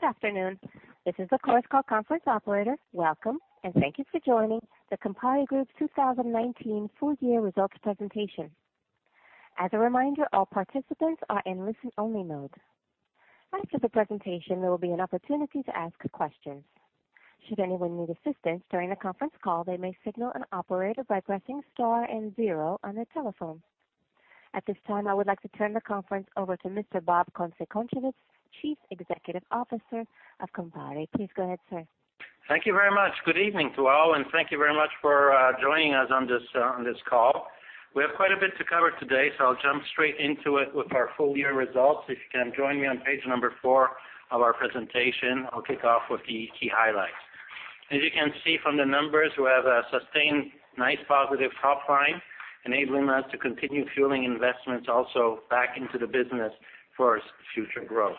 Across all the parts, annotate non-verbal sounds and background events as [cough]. Good afternoon. This is the Chorus Call conference operator. Welcome, and thank you for joining the Campari Group's 2019 full-year results presentation. As a reminder, all participants are in listen-only mode. After the presentation, there will be an opportunity to ask questions. Should anyone need assistance during the conference call, they may signal an operator by pressing star and zero on their telephone. At this time, I would like to turn the conference over to Mr. Bob Kunze-Concewitz, Chief Executive Officer of Campari. Please go ahead, sir. Thank you very much. Good evening to all, and thank you very much for joining us on this call. We have quite a bit to cover today. I'll jump straight into it with our full-year results. If you can join me on page number four of our presentation, I'll kick off with the key highlights. As you can see from the numbers, we have a sustained nice positive top line, enabling us to continue fueling investments also back into the business for future growth.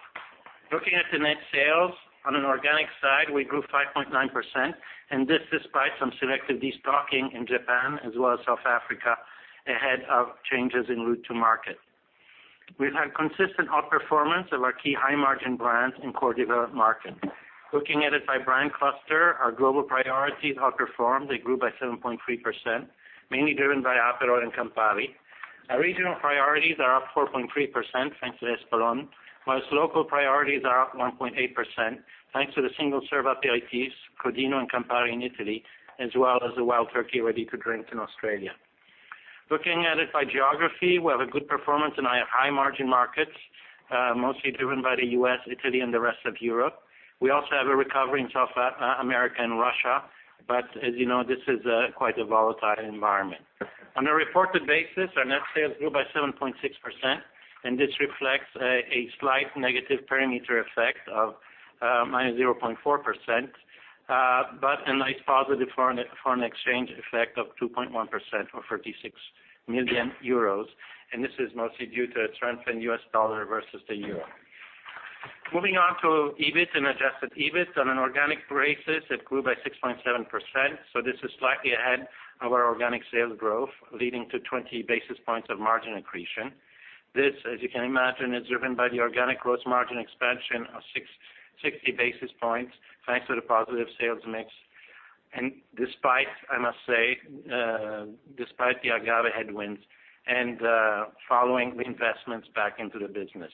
Looking at the net sales, on an organic side, we grew 5.9%. This despite some selective destocking in Japan as well as South Africa, ahead of changes in route to market. We've had consistent outperformance of our key high-margin brands in core developed markets. Looking at it by brand cluster, our global priorities outperformed. They grew by 7.3%, mainly driven by Aperol and Campari. Our regional priorities are up 4.3%, thanks to Espolón, whilst local priorities are up 1.8%, thanks to the single-serve aperitifs, Crodino and Campari in Italy, as well as the Wild Turkey ready-to-drink in Australia. Looking at it by geography, we have a good performance in our high-margin markets, mostly driven by the U.S., Italy, and the rest of Europe. We also have a recovery in South America and Russia. As you know, this is quite a volatile environment. On a reported basis, our net sales grew by 7.6%, and this reflects a slight negative perimeter effect of -0.4%, but a nice positive foreign exchange effect of 2.1% or 36 million euros. This is mostly due to a strengthening U.S. dollar versus the euro. Moving on to EBIT and adjusted EBIT. On an organic basis, it grew by 6.7%, this is slightly ahead of our organic sales growth, leading to 20 basis points of margin accretion. This, as you can imagine, is driven by the organic gross margin expansion of 60 basis points, thanks to the positive sales mix, and despite, I must say, the agave headwinds and following the investments back into the business.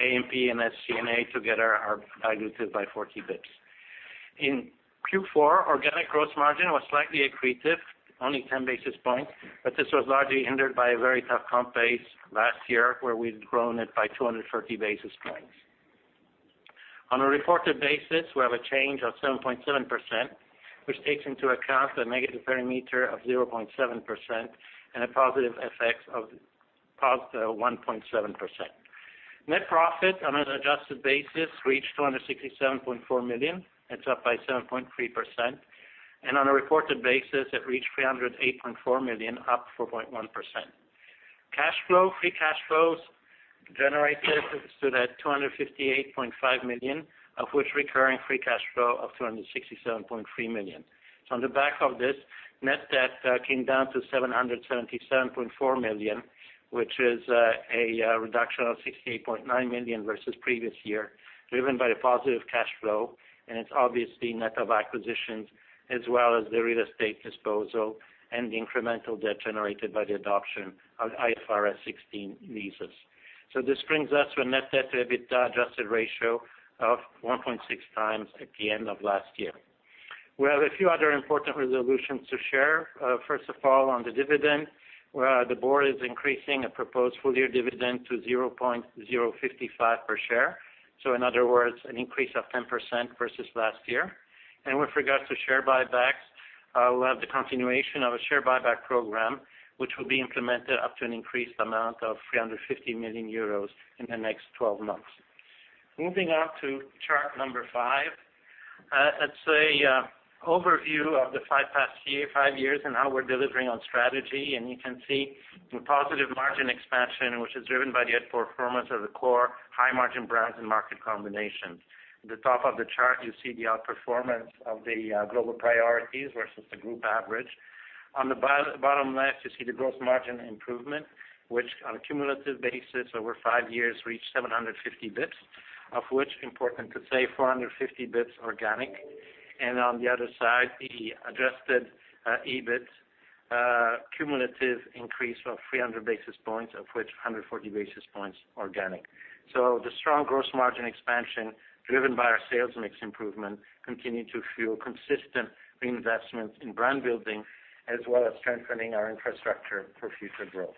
A&P and SG&A together are dilutive by 40 basis points. In Q4, organic gross margin was slightly accretive, only 10 basis points, this was largely hindered by a very tough comp base last year, where we'd grown it by 230 basis points. On a reported basis, we have a change of 7.7%, which takes into account a negative perimeter of 0.7% and a positive FX of 1.7%. Net profit on an adjusted basis reached 267.4 million. It's up by 7.3%. On a reported basis, it reached 308.4 million, up 4.1%. Cash flow, free cash flows generated stood at 258.5 million, of which recurring free cash flow of 267.3 million. On the back of this, net debt came down to 777.4 million, which is a reduction of 68.9 million versus the previous year, driven by the positive cash flow, and it's obviously net of acquisitions as well as the real estate disposal and the incremental debt generated by the adoption of IFRS 16 leases. This brings us to a net debt-to-EBITDA adjusted ratio of 1.6x at the end of last year. We have a few other important resolutions to share. First of all, on the dividend, where the Board is increasing a proposed full-year dividend to 0.055 per share, in other words, an increase of 10% versus last year. With regards to share buybacks, we'll have the continuation of a share buyback program, which will be implemented up to an increased amount of 350 million euros in the next 12 months. Moving on to chart number 5. It's an overview of the five past years and how we're delivering on strategy, and you can see the positive margin expansion, which is driven by the outperformance of the core high-margin brands and market combinations. At the top of the chart, you see the outperformance of the global priorities versus the group average. On the bottom left, you see the gross margin improvement, which on a cumulative basis over five years reached 750 basis points, of which important to say 450 basis points organic, and on the other side, the adjusted EBIT cumulative increase of 300 basis points, of which 140 basis points organic. The strong gross margin expansion driven by our sales mix improvement continued to fuel consistent reinvestments in brand building as well as strengthening our infrastructure for future growth.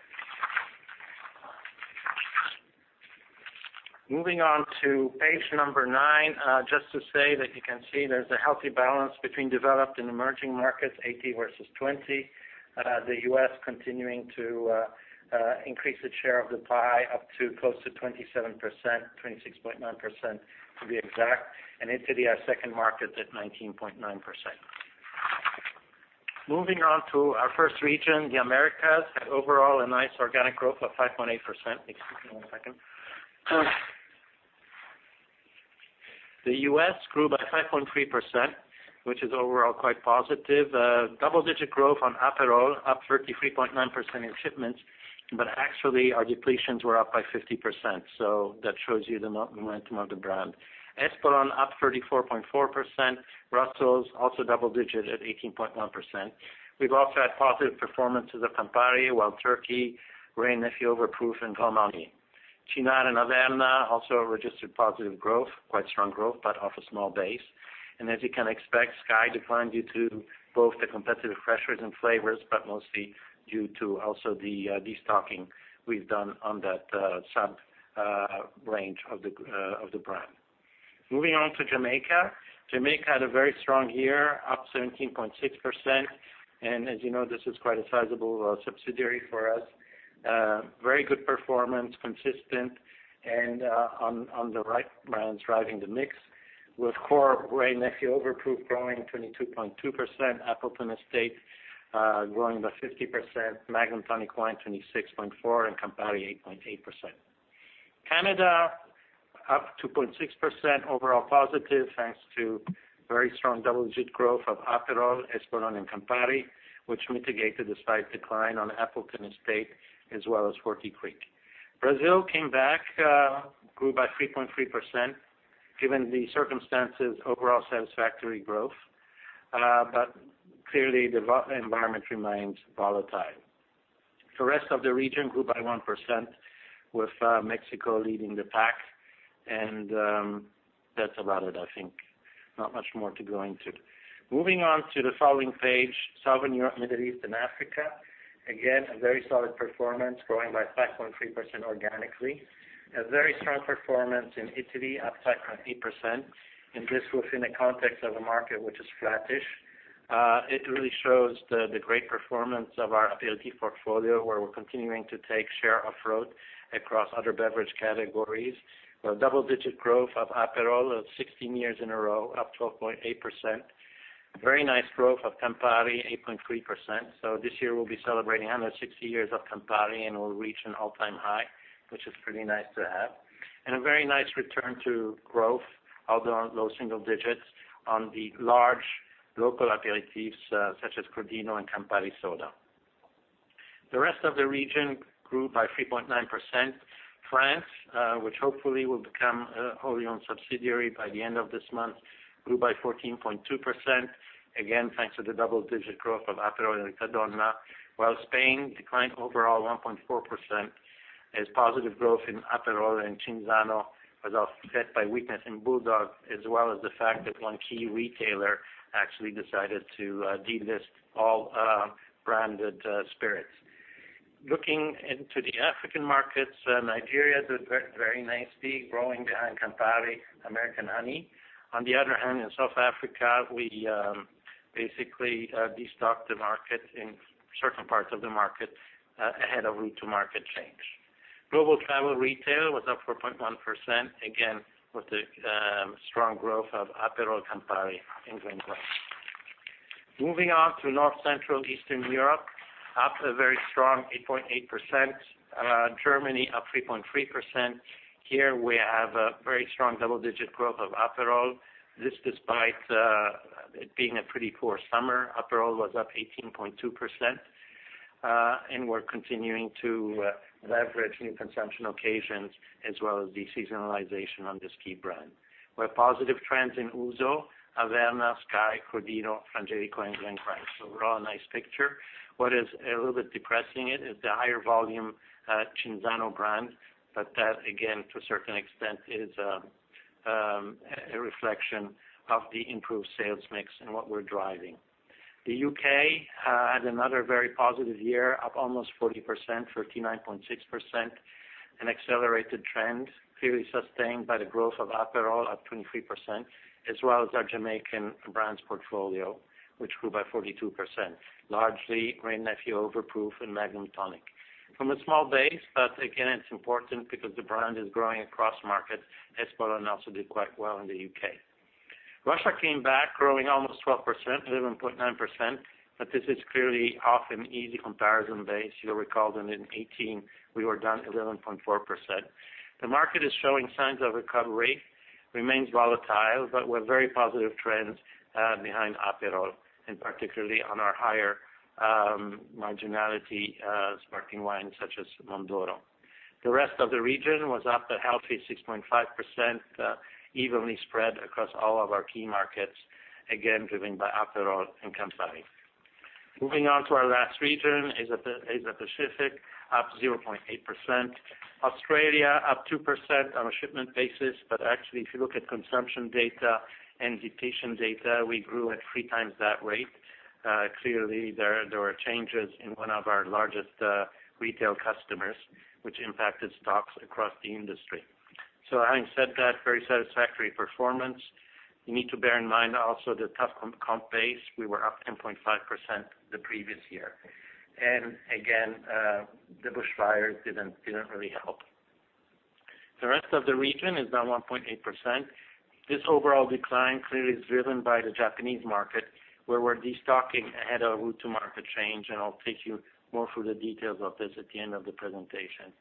Moving on to page number nine, just to say that you can see there's a healthy balance between developed and emerging markets, 80% versus 20%. The U.S. continuing to increase its share of the pie up to close to 27%, 26.9% to be exact, and Italy, our second market, at 19.9%. Moving on to our first region, the Americas, had overall a nice organic growth of 5.8%. Excuse me one second. The U.S. grew by 5.3%, which is overall quite positive. Double-digit growth on Aperol, up 33.9% in shipments, but actually, our depletions were up by 50%. That shows you the momentum of the brand. Espolòn up 34.4%. Russell's also double digits at 18.1%. We've also had positive performances of Campari, Wild Turkey, Wray & Nephew Overproof, and Grand Marnier. Cynar and Averna also registered positive growth, quite strong growth, but off a small base. As you can expect, SKYY declined due to both the competitive pressures and flavors, but mostly due to also the destocking we've done on that sub-range of the brand. Moving on to Jamaica. Jamaica had a very strong year, up 17.6%. As you know, this is quite a sizable subsidiary for us. Very good performance, consistent, and on the right brands driving the mix, with core Wray & Nephew Overproof growing 22.2%, Appleton Estate growing by 50%, Magnum Tonic Wine 26.4%, and Campari 8.8%. Canada, up 2.6%, overall positive, thanks to very strong double-digit growth of Aperol, Espolòn, and Campari, which mitigated the slight decline on Appleton Estate as well as Forty Creek. Brazil came back, grew by 3.3%. Given the circumstances, overall satisfactory growth. Clearly, the environment remains volatile. The rest of the region grew by 1%, with Mexico leading the pack, and that's about it, I think. Not much more to go into. Moving on to the following page, Southern Europe, Middle East, and Africa. Again, a very solid performance, growing by 5.3% organically. A very strong performance in Italy, up 5.8%, and this within a context of a market which is flattish. It really shows the great performance of our aperitif portfolio, where we're continuing to take share off-road across other beverage categories. A double-digit growth of Aperol of 16 years in a row, up 12.8%. Very nice growth of Campari, 8.3%. This year we'll be celebrating 160 years of Campari, and we'll reach an all-time high, which is pretty nice to have. A very nice return to growth, although low single digits, on the large local aperitifs such as Crodino and Campari Soda. The rest of the region grew by 3.9%. France, which hopefully will become a wholly owned subsidiary by the end of this month, grew by 14.2%, again, thanks to the double-digit growth of Aperol and Crodino, while Spain declined overall 1.4% as positive growth in Aperol and Cinzano was offset by weakness in BULLDOG, as well as the fact that one key retailer actually decided to delist all branded spirits. Looking into the African markets, Nigeria did very nicely, growing behind Campari, American Honey. On the other hand, in South Africa, we basically de-stocked the market in certain parts of the market ahead of route to market change. Global travel retail was up 4.1%, again, with the strong growth of Aperol, Campari, and The Glen Grant. Moving on to North, Central, Eastern Europe, up a very strong 8.8%. Germany up 3.3%. Here we have a very strong double-digit growth of Aperol. This despite it being a pretty poor summer. Aperol was up 18.2%, and we're continuing to leverage new consumption occasions as well as de-seasonalization on this key brand. We have positive trends in Ouzo, Averna, SKYY, Crodino, Frangelico, and Glen Grant. Overall, a nice picture. What is a little bit depressing is the higher-volume Cinzano brand, but that again, to a certain extent, is a reflection of the improved sales mix and what we're driving. The U.K. had another very positive year, up almost 40%, 39.6%, an accelerated trend clearly sustained by the growth of Aperol, up 23%, as well as our Jamaican brands portfolio, which grew by 42%, largely Wray & Nephew Overproof and Magnum Tonic. From a small base. Again, it's important because the brand is growing across markets. Espolòn also did quite well in the U.K. Russia came back, growing almost 12%, 11.9%. This is clearly off an easy comparison base. You'll recall that in 2018, we were down 11.4%. The market is showing signs of recovery, remains volatile, with very positive trends behind Aperol, and particularly on our higher-marginality sparkling wines such as Mondoro. The rest of the region was up a healthy 6.5%, evenly spread across all of our key markets, again, driven by Aperol and Campari. Moving on to our last region, Asia-Pacific, up 0.8%. Australia up 2% on a shipment basis. Actually, if you look at consumption data and depletions data, we grew at 3x that rate. Clearly, there were changes in one of our largest retail customers, which impacted stocks across the industry. Having said that, very satisfactory performance. You need to bear in mind also the tough comp base. We were up 10.5% the previous year. Again, the bushfires didn't really help. The rest of the region is down 1.8%. This overall decline clearly is driven by the Japanese market, where we're destocking ahead of route to market change, and I'll take you more through the details of this at the end of the presentation.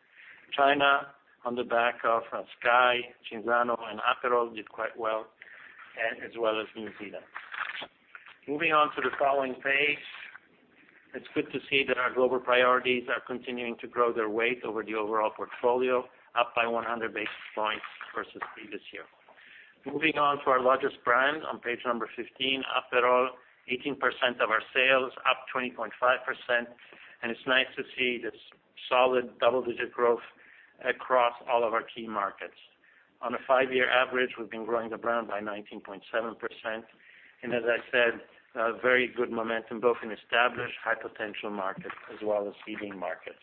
China, on the back of SKYY, Cinzano, and Aperol, did quite well, as well as New Zealand. Moving on to the following page. It's good to see that our global priorities are continuing to grow their weight over the overall portfolio, up by 100 basis points versus previous year. Moving on to our largest brand on page number 15. Aperol, 18% of our sales, up 20.5%. It's nice to see this solid double-digit growth across all of our key markets. On a five-year average, we've been growing the brand by 19.7%. As I said, a very good momentum both in established high-potential markets as well as seeding markets.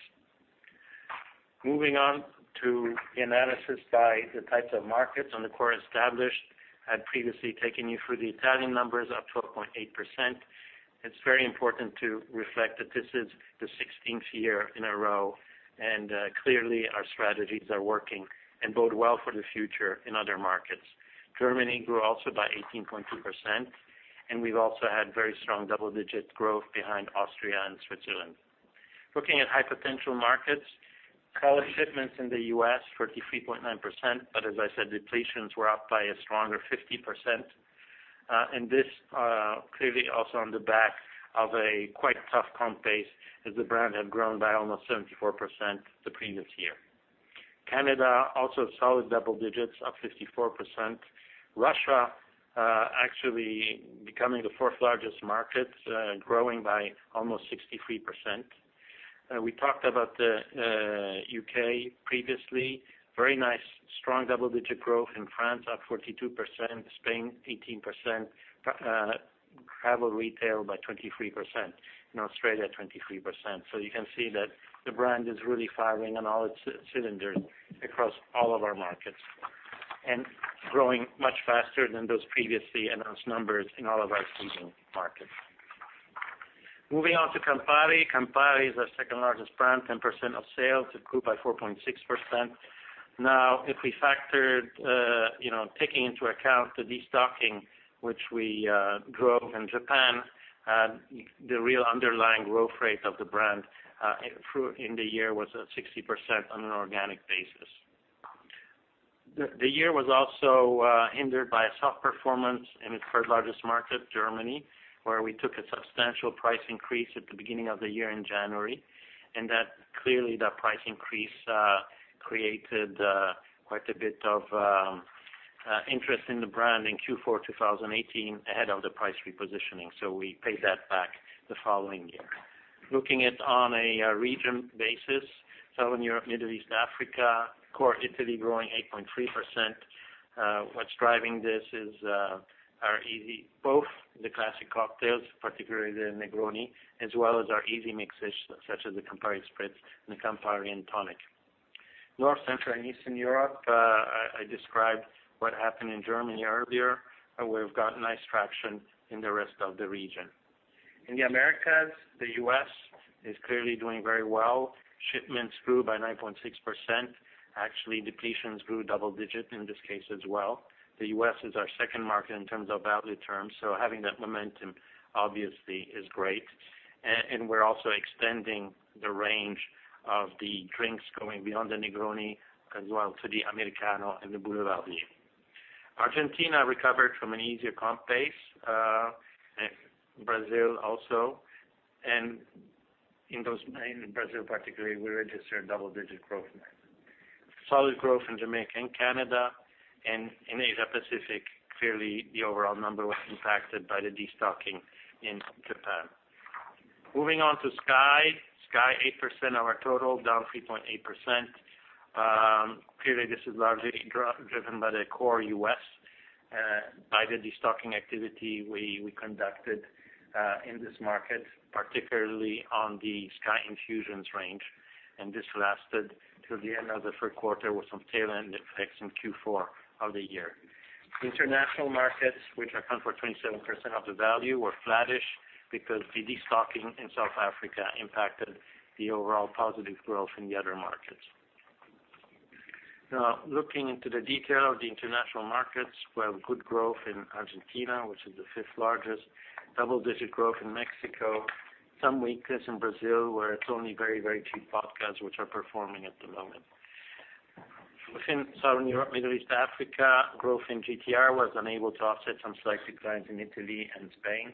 Moving on to the analysis by the types of markets. On the core established, I had previously taken you through the Italian numbers, up 12.8%. It's very important to reflect that this is the 16th year in a row. Clearly, our strategies are working and bode well for the future in other markets. Germany grew also by 18.2%. We've also had very strong double-digit growth behind Austria and Switzerland. Looking at high-potential markets, core shipments in the U.S., 33.9%. As I said, depletions were up by a stronger 50%. This, clearly also on the back of a quite tough comp base as the brand had grown by almost 74% the previous year. Canada, also solid double digits, up 54%. Russia, actually becoming the fourth largest market, growing by almost 63%. We talked about the U.K. previously. Very nice strong double-digit growth in France, up 42%, Spain 18%, travel retail by 23%, and Australia 23%. You can see that the brand is really firing on all its cylinders across all of our markets and growing much faster than those previously announced numbers in all of our seeding markets. Moving on to Campari. Campari is our second-largest brand, 10% of sales. It grew by 4.6%. If we factored, taking into account the destocking which we grew in Japan, the real underlying growth rate of the brand in the year was at 60% on an organic basis. The year was also hindered by a soft performance in its third largest market, Germany, where we took a substantial price increase at the beginning of the year in January, and that clearly that price increase, created quite a bit of interest in the brand in Q4 2018 ahead of the price repositioning. We paid that back the following year. Looking at on a region basis, Southern Europe, Middle East, Africa, core Italy growing 8.3%. What's driving this is both the classic cocktails, particularly the Negroni, as well as our easy mixes such as the Campari Spritz and the Campari and Tonic. North, Central, and Eastern Europe, I described what happened in Germany earlier, where we've got nice traction in the rest of the region. In the Americas, the U.S. is clearly doing very well. Shipments grew by 9.6%. Actually, depletions grew double digit in this case as well. The U.S. is our second market in terms of value terms, having that momentum obviously is great. We're also extending the range of the drinks going beyond the Negroni, as well to the Americano and the Boulevardier. Argentina recovered from an easier comp pace, Brazil also. In Brazil particularly, we registered double-digit growth there. Solid growth in Jamaica and Canada, in Asia-Pacific, clearly the overall number was impacted by the destocking in Japan. Moving on to SKYY. SKYY, 8% of our total, down 3.8%. Clearly, this is largely driven by the core U.S. by the destocking activity we conducted in this market, particularly on the SKYY Infusions range. This lasted till the end of the third quarter with some tail end effects in Q4 of the year. International markets, which account for 27% of the value, were flattish because the destocking in South Africa impacted the overall positive growth in the other markets. Looking into the detail of the international markets, we have good growth in Argentina, which is the fifth largest. Double-digit growth in Mexico. Some weakness in Brazil, where it's only very cheap vodkas, which are performing at the moment. Within Southern Europe, Middle East, Africa, growth in GTR was unable to offset some slight declines in Italy and Spain.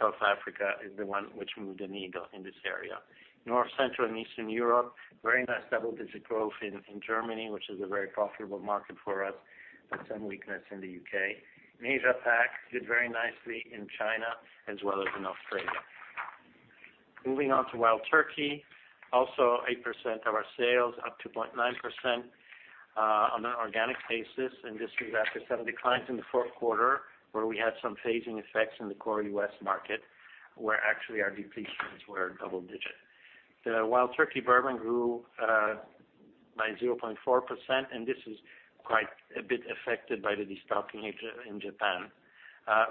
South Africa is the one which moved the needle in this area. North, Central, and Eastern Europe, very nice double-digit growth in Germany, which is a very profitable market for us, but some weakness in the U.K. Asia-Pac did very nicely in China as well as in Australia. Moving on to Wild Turkey, also 8% of our sales, up 2.9% on an organic basis. This is after some declines in the fourth quarter where we had some phasing effects in the core U.S. market, where actually our depletions were double-digit. The Wild Turkey Bourbon grew by 0.4%, and this is quite a bit affected by the destocking in Japan.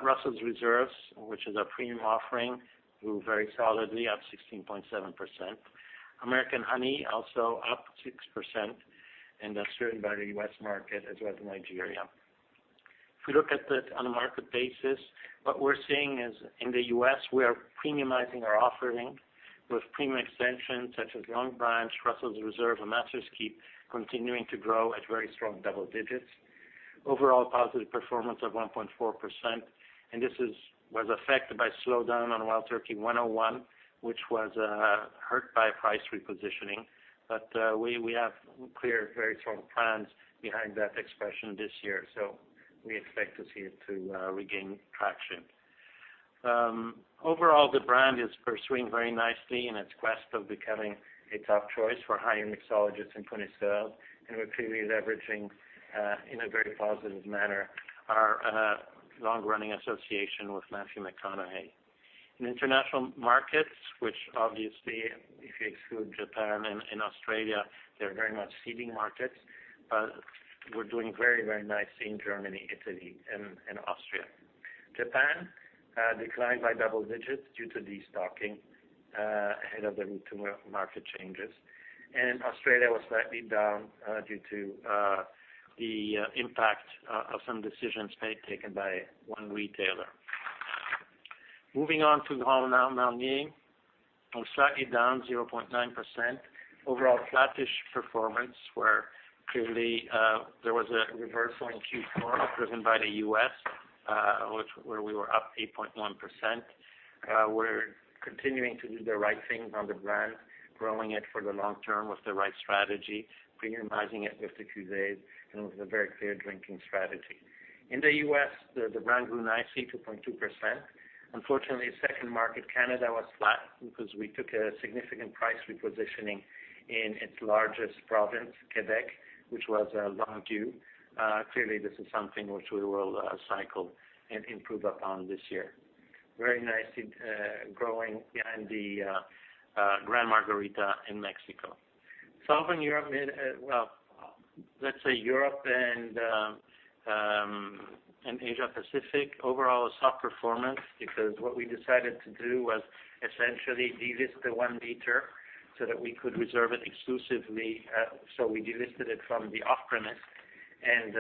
Russell's Reserve, which is our premium offering, grew very solidly at 16.7%. American Honey also up 6%, and that's driven by the U.S. market as well as Nigeria. If we look at it on a market basis, what we're seeing is in the U.S., we are premiumizing our offering with premium extensions such as Longbranch, Russell's Reserve, and Master's Keep continuing to grow at very strong double-digits. Overall positive performance of 1.4%, and this was affected by slowdown on Wild Turkey 101, which was hurt by price repositioning. We have clear, very strong plans behind that expression this year, so we expect to see it to regain traction. Overall, the brand is pursuing very nicely in its quest of becoming a top choice for high-end mixologists and retailers. We're clearly leveraging, in a very positive manner, our long-running association with Matthew McConaughey. In international markets, which obviously if you exclude Japan and Australia, they're very much seeding markets, but we're doing very nicely in Germany, Italy, and Austria. Japan declined by double digits due to destocking ahead of the retail market changes. Australia was slightly down due to the impact of some decisions taken by one retailer. Moving on to Grand Marnier. On slightly down 0.9%. Overall flattish performance, where clearly there was a reversal in Q4 driven by the U.S., where we were up 8.1%. We're continuing to do the right thing on the brand, growing it for the long term with the right strategy, premiumizing it with the cuvées, and with a very clear drinking strategy. In the U.S., the brand grew nicely, 2.2%. Unfortunately, second market, Canada, was flat because we took a significant price repositioning in its largest province, Quebec, which was long due. Clearly, this is something which we will cycle and improve upon this year. Very nicely growing behind the Grand Margarita in Mexico. Southern Europe, well, let's say Europe and Asia-Pacific. Overall a soft performance, because what we decided to do was essentially delist the 1-liter so that we could reserve it exclusively. We delisted it from the off-premise and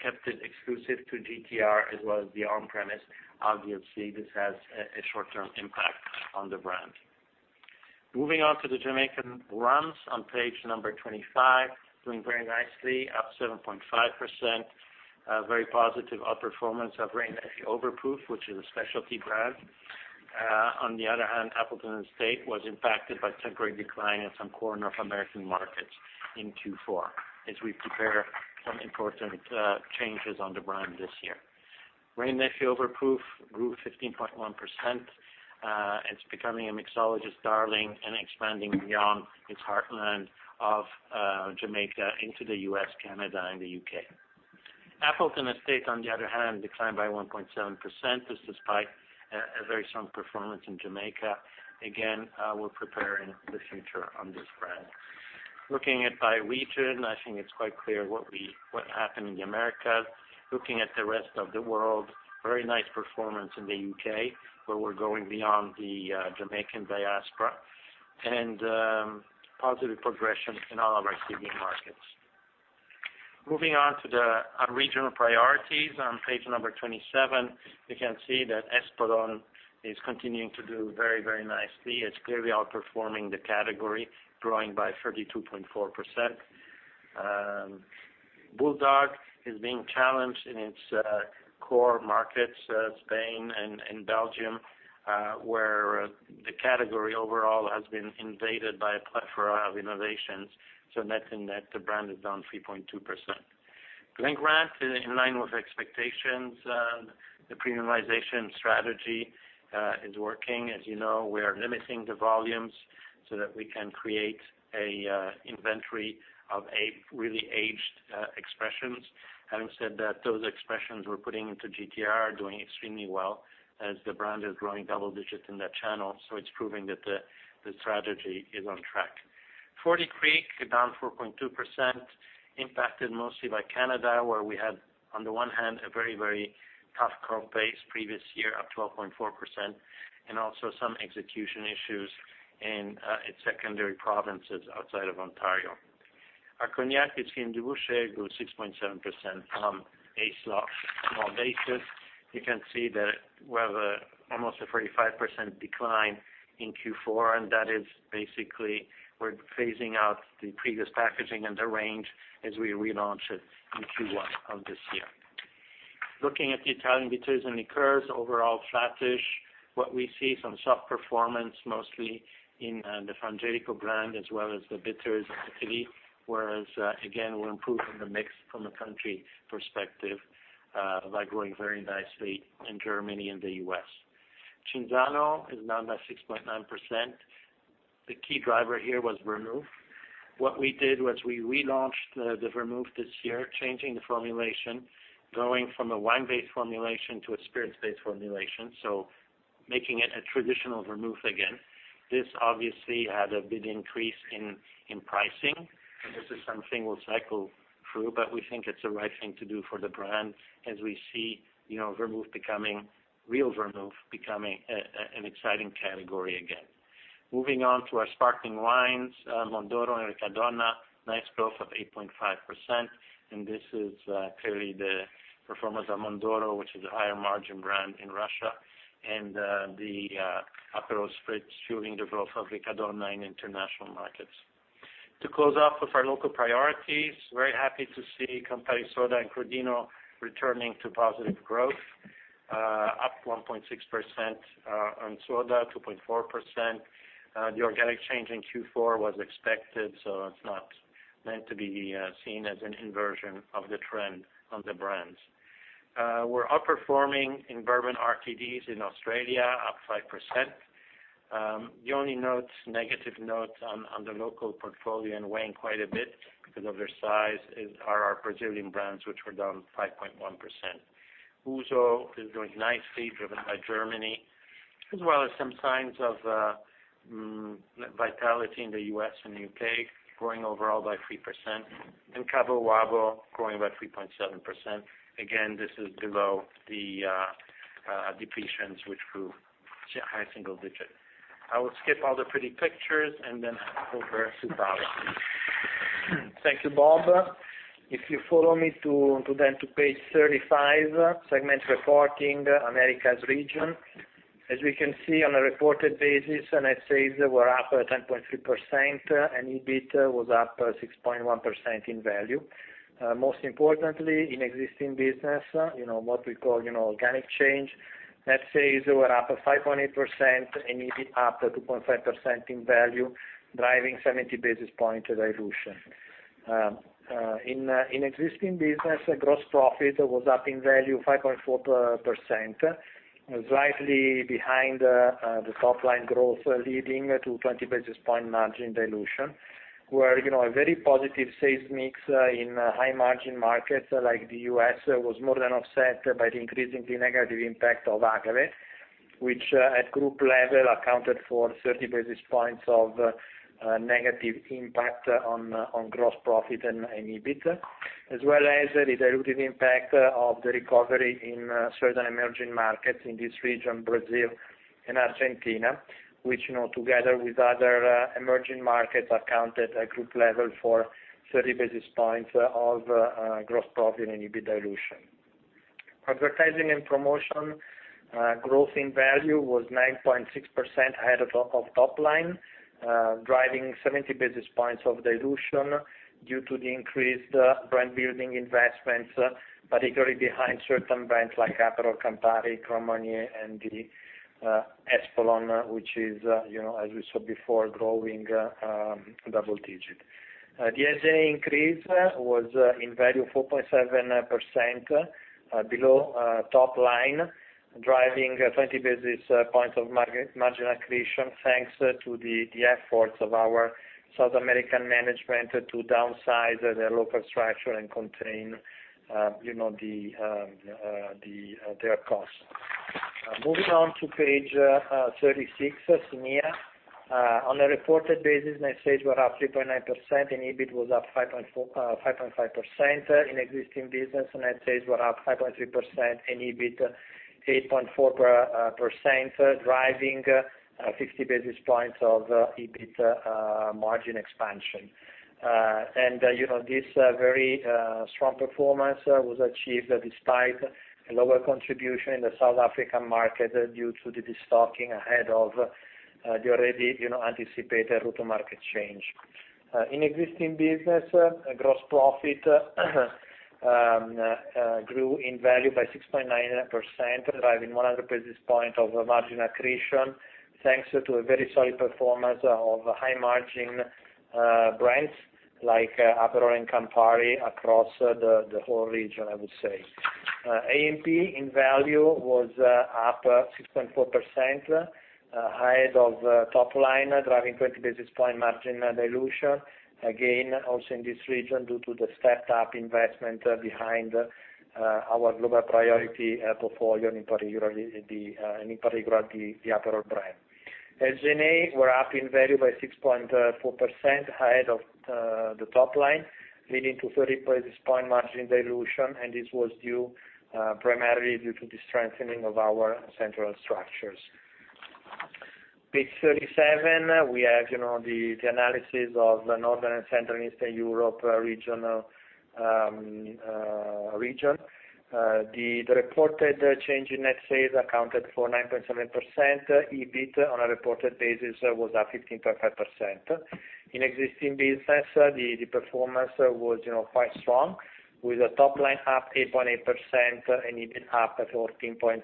kept it exclusive to GTR as well as the on-premise. Obviously, this has a short-term impact on the brand. Moving on to the Jamaican rums on page number 25. Doing very nicely, up 7.5%. A very positive outperformance of Wray & Nephew Overproof, which is a specialty brand. On the other hand, Appleton Estate was impacted by temporary decline in some core North American markets in Q4 as we prepare some important changes on the brand this year. Wray & Nephew Overproof grew 15.1%. It's becoming a mixologist darling and expanding beyond its heartland of Jamaica into the U.S., Canada, and the U.K. Appleton Estate, on the other hand, declined by 1.7%. This despite a very strong performance in Jamaica. Again, we're preparing the future on this brand. Looking at by region, I think it's quite clear what happened in the Americas. Looking at the rest of the world, very nice performance in the U.K., where we're going beyond the Jamaican diaspora. Positive progression in all of our seeding markets. Moving on to the regional priorities on page number 27. You can see that Espolòn is continuing to do very nicely. It's clearly outperforming the category, growing by 32.4%. BULLDOG is being challenged in its core markets, Spain and Belgium, where the category overall has been invaded by a plethora of innovations. Net in that, the brand is down 3.2%. The Glen Grant is in line with expectations. The premiumization strategy is working. As you know, we are limiting the volumes so that we can create an inventory of really aged expressions. Having said that, those expressions we're putting into GTR are doing extremely well as the brand is growing double digits in that channel. It's proving that the strategy is on track. Forty Creek down 4.2%, impacted mostly by Canada, where we had, on the one hand, a very tough comp base previous year, up 12.4%, and also some execution issues in its secondary provinces outside of Ontario. Our cognacs, Bisquit & Dubouché, grew 6.7% on a [inaudible] basis. You can see that we have almost a 35% decline in Q4, and that is basically we're phasing out the previous packaging and the range as we relaunch it in Q1 of this year. Looking at the Italian bitters and liqueurs, overall flattish. What we see, some soft performance, mostly in the Frangelico brand as well as the bitters in Italy. Whereas again, we're improving the mix from a country perspective by growing very nicely in Germany and the U.S. Cinzano is down by 6.9%. The key driver here was vermouth. What we did was we relaunched the vermouth this year, changing the formulation, going from a wine-based formulation to a spirits-based formulation, so making it a traditional vermouth again. This obviously had a big increase in pricing, and this is something we'll cycle through, but we think it's the right thing to do for the brand as we see vermouth, real vermouth, becoming an exciting category again. Moving on to our sparkling wines, Mondoro and Riccadonna, nice growth of 8.5%, and this is clearly the performance of Mondoro, which is a higher margin brand in Russia, and the Aperol Spritz fueling the growth of Riccadonna in nine international markets. To close off with our local priorities, very happy to see Campari Soda and Crodino returning to positive growth, up 1.6% on Soda, 2.4%. The organic change in Q4 was expected. It's not meant to be seen as an inversion of the trend on the brands. We're outperforming in bourbon RTDs in Australia, up 5%. The only negative note on the local portfolio and weighing quite a bit because of their size, are our Brazilian brands, which were down 5.1%. Ouzo is doing nicely, driven by Germany, as well as some signs of vitality in the U.S. and U.K., growing overall by 3%, and Cabo Wabo growing by 3.7%. Again, this is below the depletions, which grew high single digit. I will skip all the pretty pictures and then hand over to Paolo. Thank you, Bob. If you follow me to page 35, segment reporting, Americas region. As we can see on a reported basis, net sales were up 10.3%, and EBIT was up 6.1% in value. Most importantly, in existing business, what we call organic change, net sales were up 5.8%, and EBIT up 2.5% in value, driving 70 basis point dilution. In existing business, gross profit was up in value 5.4%, slightly behind the top-line growth, leading to 20 basis point margin dilution. Where a very positive sales mix in high-margin markets like the U.S. was more than offset by the increasingly negative impact of agave, which at group level accounted for 30 basis points of negative impact on gross profit and EBIT. As well as the dilutive impact of the recovery in certain emerging markets in this region, Brazil and Argentina, which together with other emerging markets, accounted at group level for 30 basis points of gross profit and EBIT dilution. Advertising and Promotion growth in value was 9.6% ahead of top line, driving 70 basis points of dilution due to the increased brand-building investments, particularly behind certain brands like Aperol, Campari, Grand Marnier, and the Espolòn, which is, as we saw before, growing double digit. The SG&A increase was in value 4.7% below top line, driving 20 basis points of margin accretion, thanks to the efforts of our South American management to downsize their local structure and contain their costs. Moving on to page 36, SEMEA. On a reported basis, net sales were up 3.9%, and EBIT was up 5.5%. In existing business, net sales were up 5.3%, and EBIT 8.4%, driving 60 basis points of EBIT margin expansion. This very strong performance was achieved despite a lower contribution in the South African market due to the destocking ahead of the already anticipated go-to-market change. In existing business, gross profit grew in value by 6.9%, driving 100 basis points of margin accretion, thanks to a very solid performance of high-margin brands like Aperol and Campari across the whole region, I would say. A&P in value was up 6.4%, ahead of top line, driving 20 basis points margin dilution. Again, also in this region, due to the stepped-up investment behind our global priority portfolio, in particular the Aperol brand. SG&A were up in value by 6.4%, ahead of the top line, leading to 30 basis points margin dilution, and this was primarily due to the strengthening of our central structures. Page 37, we have the analysis of the Northern and Central Eastern Europe region. The reported change in net sales accounted for 9.7%. EBIT on a reported basis was up 15.5%. In existing business, the performance was quite strong, with the top line up 8.8% and EBIT up 14.3%,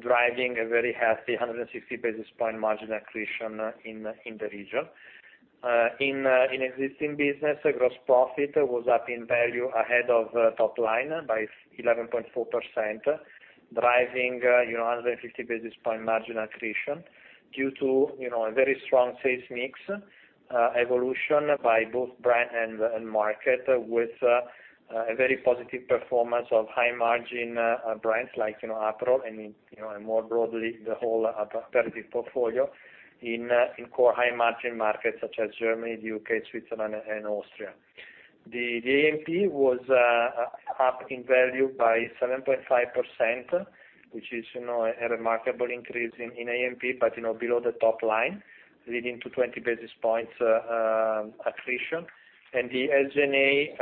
driving a very healthy 160 basis point margin accretion in the region. In existing business, gross profit was up in value ahead of top line by 11.4%, driving 150 basis point margin accretion due to a very strong sales mix evolution by both brand and market, with a very positive performance of high-margin brands like Aperol and more broadly, the whole aperitif portfolio in core high-margin markets such as Germany, the U.K., Switzerland, and Austria. The A&P was up in value by 7.5%, which is a remarkable increase in A&P, but below the top line, leading to 20 basis points accretion. The SG&A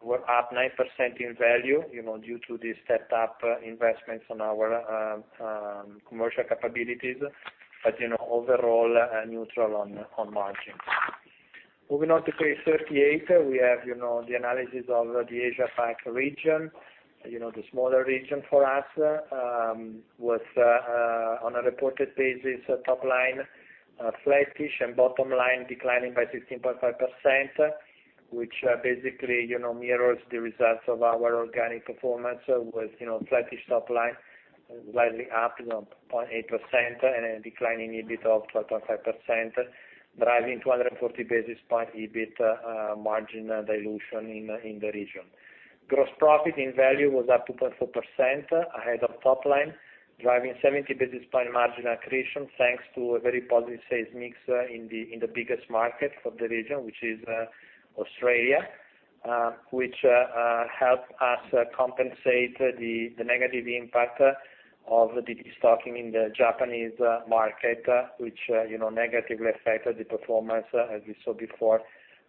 were up 9% in value, due to the stepped up investments on our commercial capabilities. Overall, neutral on margins. Moving on to page 38, we have the analysis of the Asia-Pac region. The smaller region for us, was on a reported basis, top line flattish and bottom line declining by 16.5%, which basically mirrors the results of our organic performance with flattish top line, slightly up 0.8% and a decline in EBIT of 12.5%, driving 240 basis point EBIT margin dilution in the region. Gross profit in value was up 2.4% ahead of top line, driving 70 basis point margin accretion thanks to a very positive sales mix in the biggest market for the region, which is Australia, which helped us compensate the negative impact of the destocking in the Japanese market, which negatively affected the performance, as we saw before,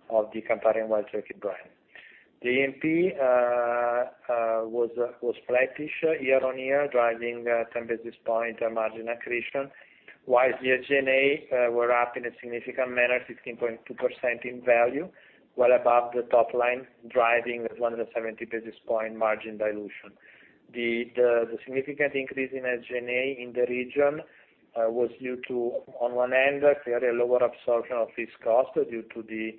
of the Campari and Wild Turkey brand. The A&P was flattish year-on-year, driving 10 basis point margin accretion, whilst the SG&A were up in a significant manner, 16.2% in value, well above the top line, driving 270 basis point margin dilution. The significant increase in SG&A in the region was due to, on one end, clearly a lower absorption of fixed cost due to the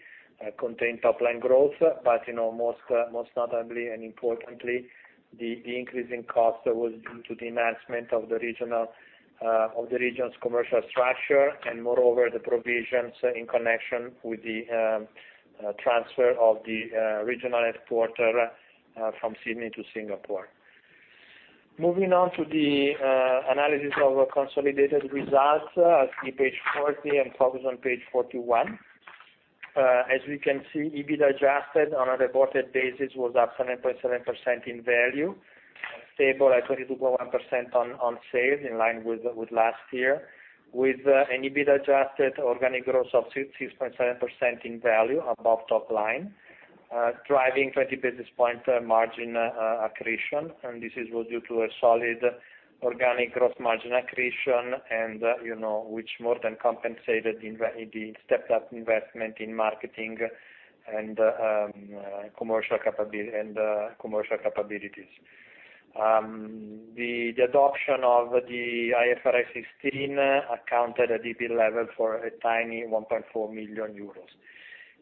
contained top line growth. Most notably and importantly, the increase in cost was due to the enhancement of the region's commercial structure, and moreover, the provisions in connection with the transfer of the regional headquarter from Sydney to Singapore. Moving on to the analysis of our consolidated results as in page 40 and focus on page 41. As we can see, EBIT adjusted on a reported basis was up 7.7% in value, stable at 22.1% on sales in line with last year. With an EBIT adjusted organic growth of 6.7% in value above top line, driving 20 basis point margin accretion. This is due to a solid organic growth margin accretion, which more than compensated the stepped up investment in marketing and commercial capabilities. The adoption of the IFRS 16 accounted at EBIT level for a tiny 1.4 million euros.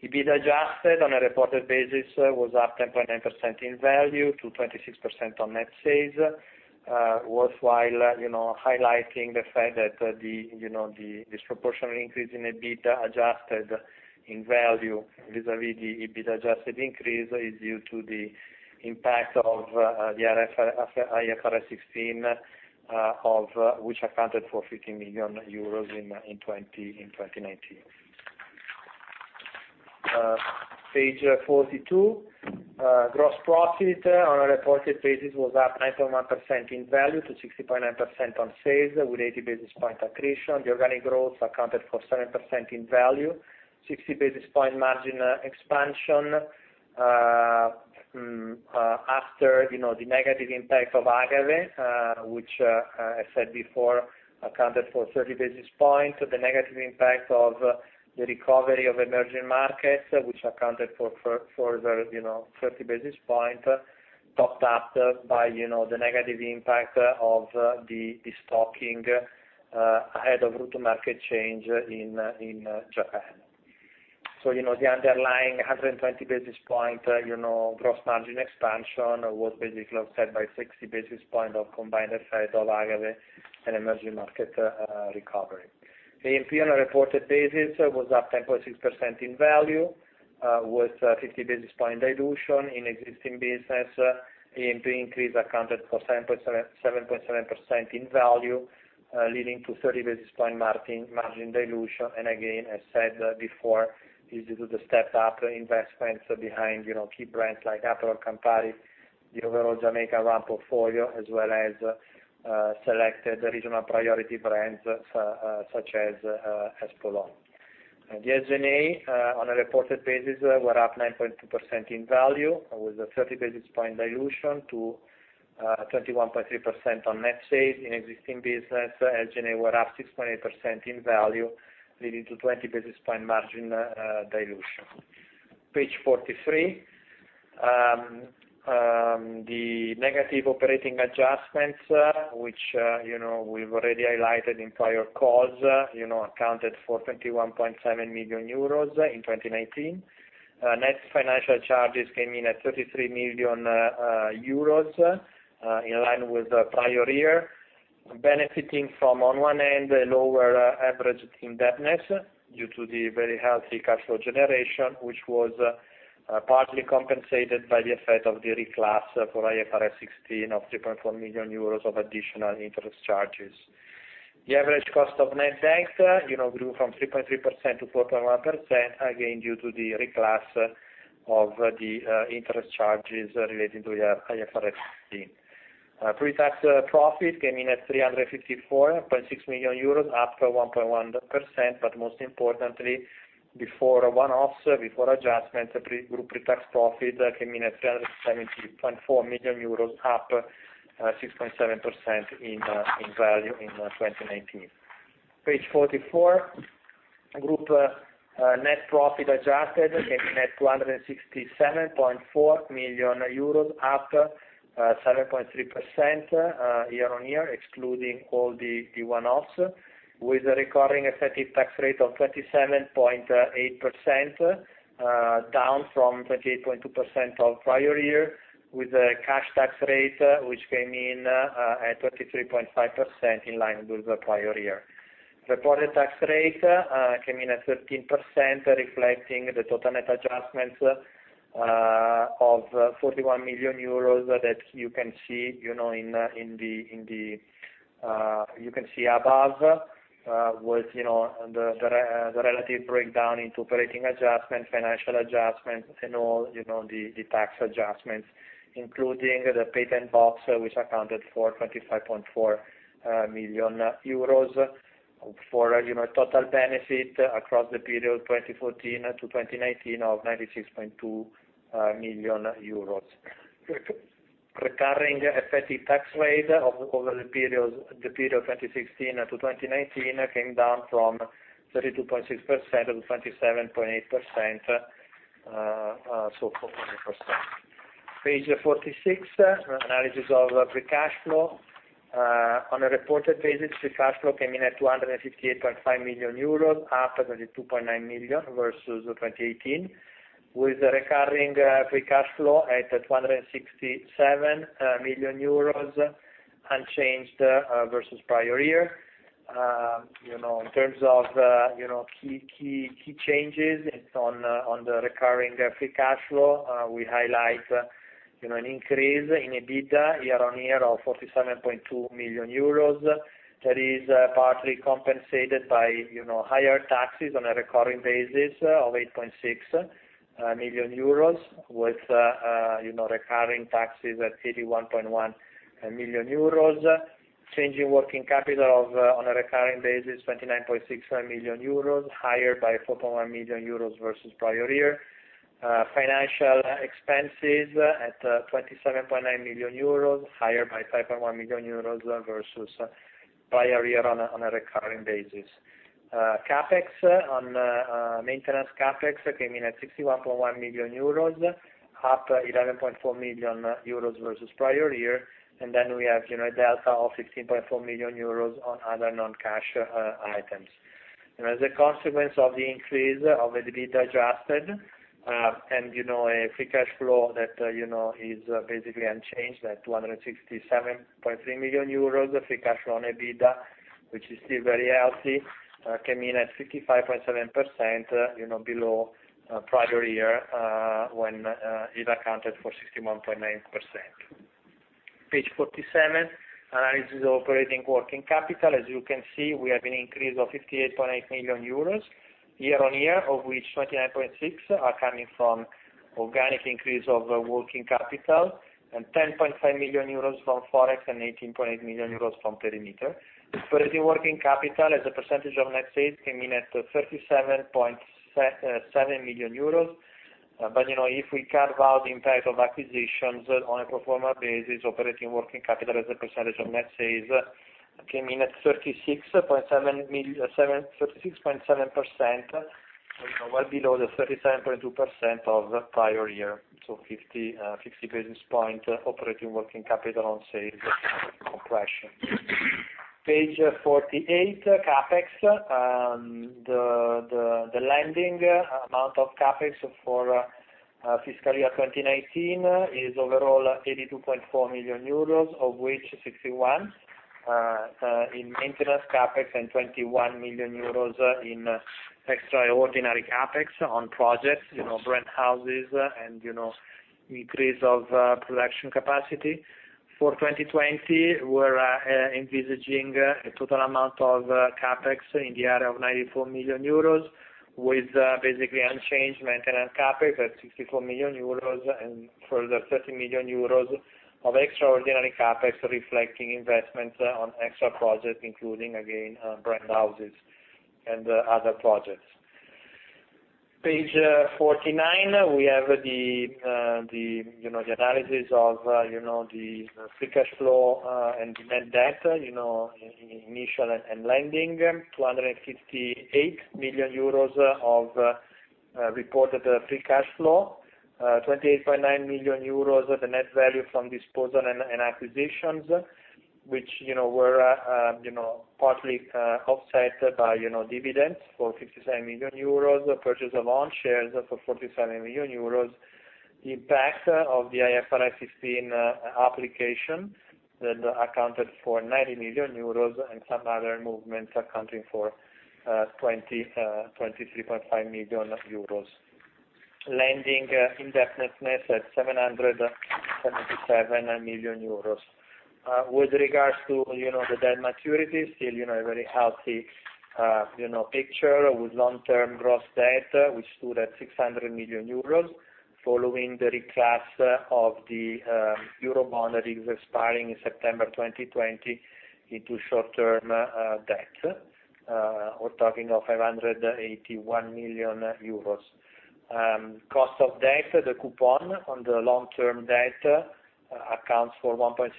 EBIT adjusted on a reported basis was up 10.9% in value to 26% on net sales. Worthwhile highlighting the fact that the disproportionate increase in EBIT adjusted in value vis-a-vis the EBIT adjusted increase is due to the impact of the IFRS 16, of which accounted for 15 million euros in 2019. Page 42. Gross profit on a reported basis was up 9.1% in value to 60.9% on sales with 80 basis point accretion. The organic growth accounted for 7% in value, 60 basis point margin expansion, after the negative impact of agave which I said before, accounted for 30 basis points. The negative impact of the recovery of emerging markets, which accounted for further 30 basis point, topped up by the negative impact of the destocking ahead of route to market change in Japan. The underlying 120 basis point gross margin expansion was basically offset by 60 basis point of combined effect of agave and emerging market recovery. A&P on a reported basis was up 10.6% in value, with 50 basis point dilution in existing business. A&P increase accounted for 7.7% in value, leading to 30 basis point margin dilution. Again, as said before, this is the stepped up investments behind key brands like Aperol, Campari, the overall Jamaica rum portfolio, as well as selected regional priority brands such as Espolòn. The SG&A on a reported basis were up 9.2% in value with a 30 basis point dilution to 21.3% on net sales. In existing business, SG&A were up 6.8% in value, leading to 20 basis point margin dilution. Page 43. The negative operating adjustments, which we've already highlighted in prior calls, accounted for 21.7 million euros in 2019. Net financial charges came in at 33 million euros, in line with the prior year, benefiting from, on one end, a lower average indebtedness due to the very healthy cash flow generation, which was partly compensated by the effect of the reclass for IFRS 16 of 3.4 million euros of additional interest charges. The average cost of net banks grew from 3.3% to 4.1%, again, due to the reclass of the interest charges relating to the IFRS 16. Pre-tax profit came in at 354.6 million euros, up 1.1%, but most importantly, before one-offs, before adjustments, group pre-tax profit came in at 370.4 million euros, up 6.7% in value in 2019. Page 44. Group net profit adjusted came in at 267.4 million euros, up 7.3% year-on-year, excluding all the one-offs, with a recurring effective tax rate of 27.8%, down from 28.2% of prior year, with a cash tax rate, which came in at 23.5%, in line with the prior year. Reported tax rate came in at 13%, reflecting the total net adjustments of 41 million euros that you can see above, with the relative breakdown into operating adjustment, financial adjustment, and all the tax adjustments, including the patent box, which accounted for 25.4 million euros. For total benefit across the period 2014 to 2019 of EUR 96.2 million. Recurring effective tax rate over the period 2016 to 2019 came down from 32.6% to 27.8%, so 4.8%. Page 46. Analysis of free cash flow. On a reported basis, free cash flow came in at 258.5 million euros, up 22.9 million versus 2018, with a recurring free cash flow at 267 million euros, unchanged versus prior year. In terms of key changes on the recurring free cash flow, we highlight an increase in EBITDA year on year of 47.2 million euros. That is partly compensated by higher taxes on a recurring basis of 8.6 million euros, with recurring taxes at 81.1 million euros. Change in working capital on a recurring basis, 29.6 million euros, higher by 4.1 million euros versus prior year. Financial expenses at 27.9 million euros, higher by 5.1 million euros versus prior year on a recurring basis. Maintenance CapEx came in at 61.1 million euros, up 11.4 million euros versus prior year. We have a delta of 15.4 million euros on other non-cash items. As a consequence of the increase of EBITDA adjusted and a free cash flow that is basically unchanged at 267.3 million euros, free cash flow on EBITDA, which is still very healthy, came in at 55.7%, below prior year, when it accounted for 61.9%. Page 47. Analysis of operating working capital. As you can see, we have an increase of 58.8 million euros year-on-year, of which 29.6 million are coming from organic increase of working capital and 10.5 million euros from forex and 18.8 million euros from perimeter. Operating working capital as a percentage of net sales came in at 37.7%. If we carve out the impact of acquisitions on a pro forma basis, operating working capital as a percentage of net sales came in at 36.7%, well below the 37.2% of prior year. 60 basis points operating working capital on sales compression. Page 48, CapEx. The lending amount of CapEx for fiscal year 2019 is overall 82.4 million euros, of which 61 million in maintenance CapEx and 21 million euros in extraordinary CapEx on projects, brand houses, and increase of production capacity. For 2020, we're envisaging a total amount of CapEx in the area of 94 million euros, with basically unchanged maintenance CapEx at 64 million euros and further 30 million euros of extraordinary CapEx reflecting investments on extra projects, including, again, brand houses and other projects. Page 49, we have the analysis of the free cash flow and net debt, initial and lending, 258 million euros of reported free cash flow, 28.9 million euros of the net value from disposal and acquisitions, which were partly offset by dividends for 57 million euros, purchase of own shares for 47 million euros. Impact of the IFRS 16 application that accounted for 90 million euros and some other movements accounting for 23.5 million euros. Lending indebtedness at 777 million euros. With regards to the debt maturities, still a very healthy picture with long-term gross debt, which stood at 600 million euros, following the reclass of the euro bond that is expiring in September 2020 into short-term debt. We're talking of 581 million euros. Cost of debt, the coupon on the long-term debt accounts for 1.6%.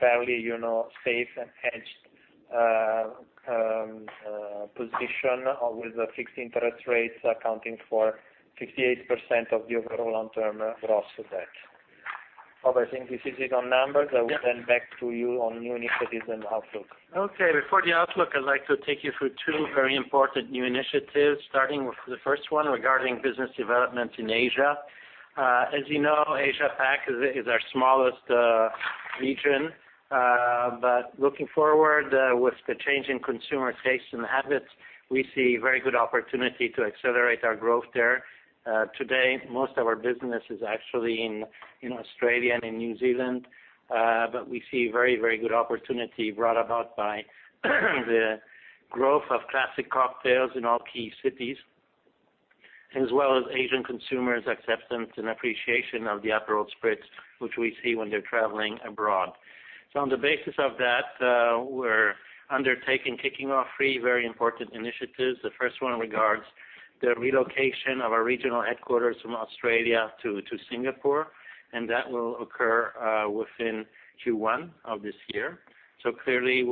Fairly safe and hedged position with the fixed interest rates accounting for 58% of the overall long-term gross debt. Bob, I think this is it on numbers. Yeah. I will hand back to you on new initiatives and outlook. Okay. Before the outlook, I'd like to take you through two very important new initiatives, starting with the first one regarding business development in Asia. As you know, Asia-Pac is our smallest region. Looking forward, with the change in consumer tastes and habits, we see very good opportunity to accelerate our growth there. Today, most of our business is actually in Australia and in New Zealand. We see very good opportunity brought about by the growth of classic cocktails in all key cities, as well as Asian consumers' acceptance and appreciation of the Aperol Spritz, which we see when they're traveling abroad. On the basis of that, we're kicking off three very important initiatives. The first one regards the relocation of our regional headquarters from Australia to Singapore, and that will occur within Q1 of this year. Clearly,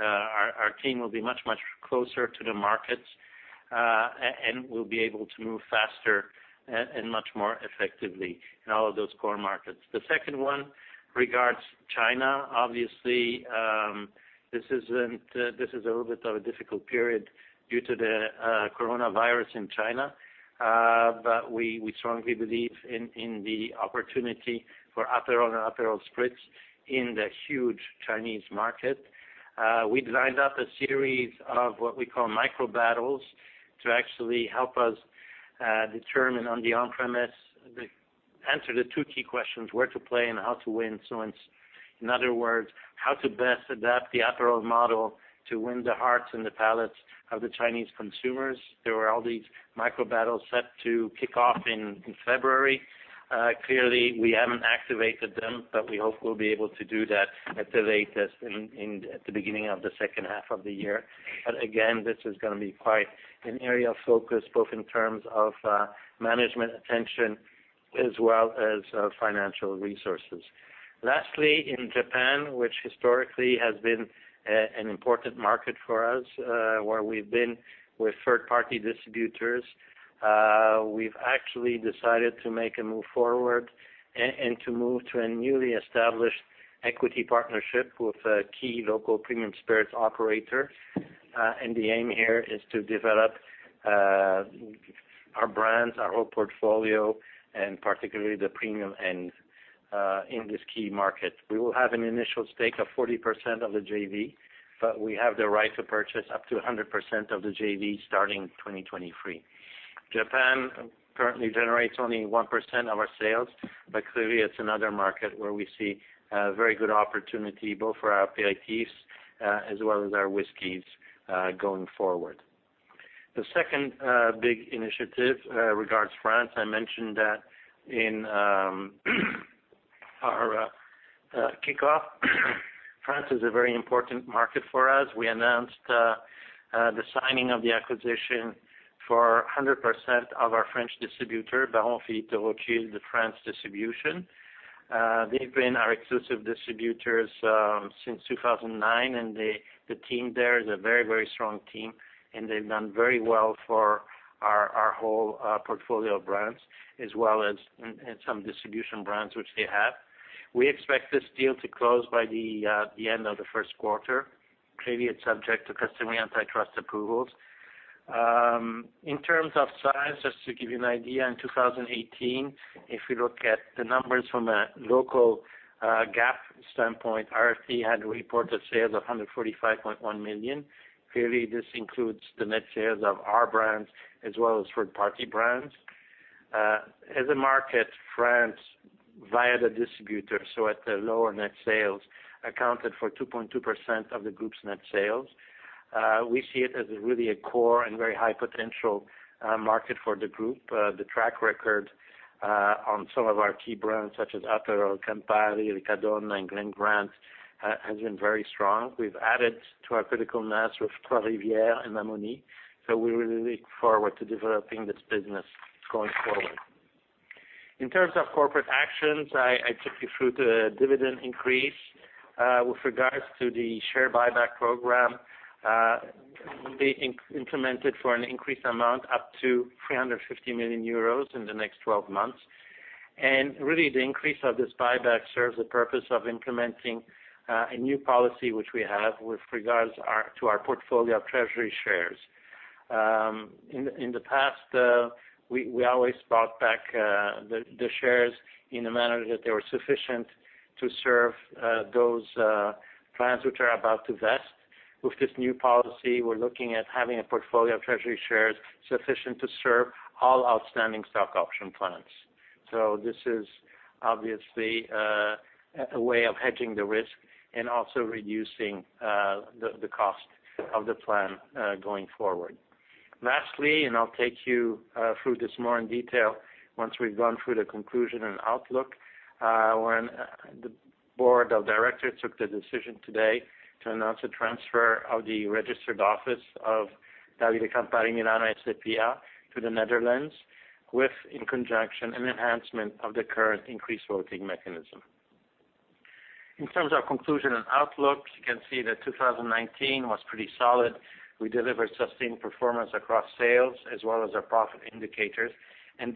our team will be much closer to the markets, and we'll be able to move faster and much more effectively in all of those core markets. The second one regards China. Obviously, this is a little bit of a difficult period due to the coronavirus in China. We strongly believe in the opportunity for Aperol and Aperol Spritz in the huge Chinese market. We designed up a series of what we call micro battles to actually help us determine on the on-premise, the answer to two key questions, where to play and how to win. In other words, how to best adapt the Aperol model to win the hearts and the palates of the Chinese consumers. There were all these micro battles set to kick off in February. We haven't activated them, we hope we'll be able to do that at the latest at the beginning of the second half of the year. Again, this is going to be quite an area of focus, both in terms of management attention as well as financial resources. Lastly, in Japan, which historically has been an important market for us, where we've been with third-party distributors. We've actually decided to make a move forward and to move to a newly established equity partnership with a key local premium spirits operator. The aim here is to develop our brands, our whole portfolio, and particularly the premium end in this key market. We will have an initial stake of 40% of the JV, we have the right to purchase up to 100% of the JV starting 2023. Japan currently generates only 1% of our sales. Clearly, it's another market where we see a very good opportunity, both for our aperitifs as well as our whiskeys going forward. The second big initiative regards France. I mentioned that in our kickoff. France is a very important market for us. We announced the signing of the acquisition for 100% of our French distributor, Baron Philippe de Rothschild France Distribution. They've been our exclusive distributors since 2009. The team there is a very strong team. They've done very well for our whole portfolio of brands, as well as some distribution brands which they have. We expect this deal to close by the end of the first quarter. Clearly, it's subject to customary antitrust approvals. In terms of size, just to give you an idea, in 2018, if we look at the numbers from a local GAAP standpoint, RFD had reported sales of 145.1 million. Clearly, this includes the net sales of our brands as well as third-party brands. As a market, France, via the distributor, so at the lower net sales, accounted for 2.2% of the group's net sales. We see it as really a core and very high potential market for the group. The track record on some of our key brands, such as Aperol, Campari, Riccadonna, and The Glen Grant, has been very strong. We've added to our critical mass with Trois Rivières and Maison La Mauny. We really look forward to developing this business going forward. In terms of corporate actions, I took you through the dividend increase. With regards to the share buyback program, we implemented for an increased amount up to 350 million euros in the next 12 months. Really the increase of this buyback serves the purpose of implementing a new policy which we have with regards to our portfolio of treasury shares. In the past, we always bought back the shares in a manner that they were sufficient to serve those plans which are about to vest. With this new policy, we're looking at having a portfolio of treasury shares sufficient to serve all outstanding stock option plans. This is obviously a way of hedging the risk and also reducing the cost of the plan going forward. Lastly, I'll take you through this more in detail once we've gone through the conclusion and outlook, when the board of directors took the decision today to announce a transfer of the registered office of Davide Campari-Milano SpA to the Netherlands, with, in conjunction, an enhancement of the current increased voting mechanism. In terms of conclusion and outlook, you can see that 2019 was pretty solid. We delivered sustained performance across sales as well as our profit indicators,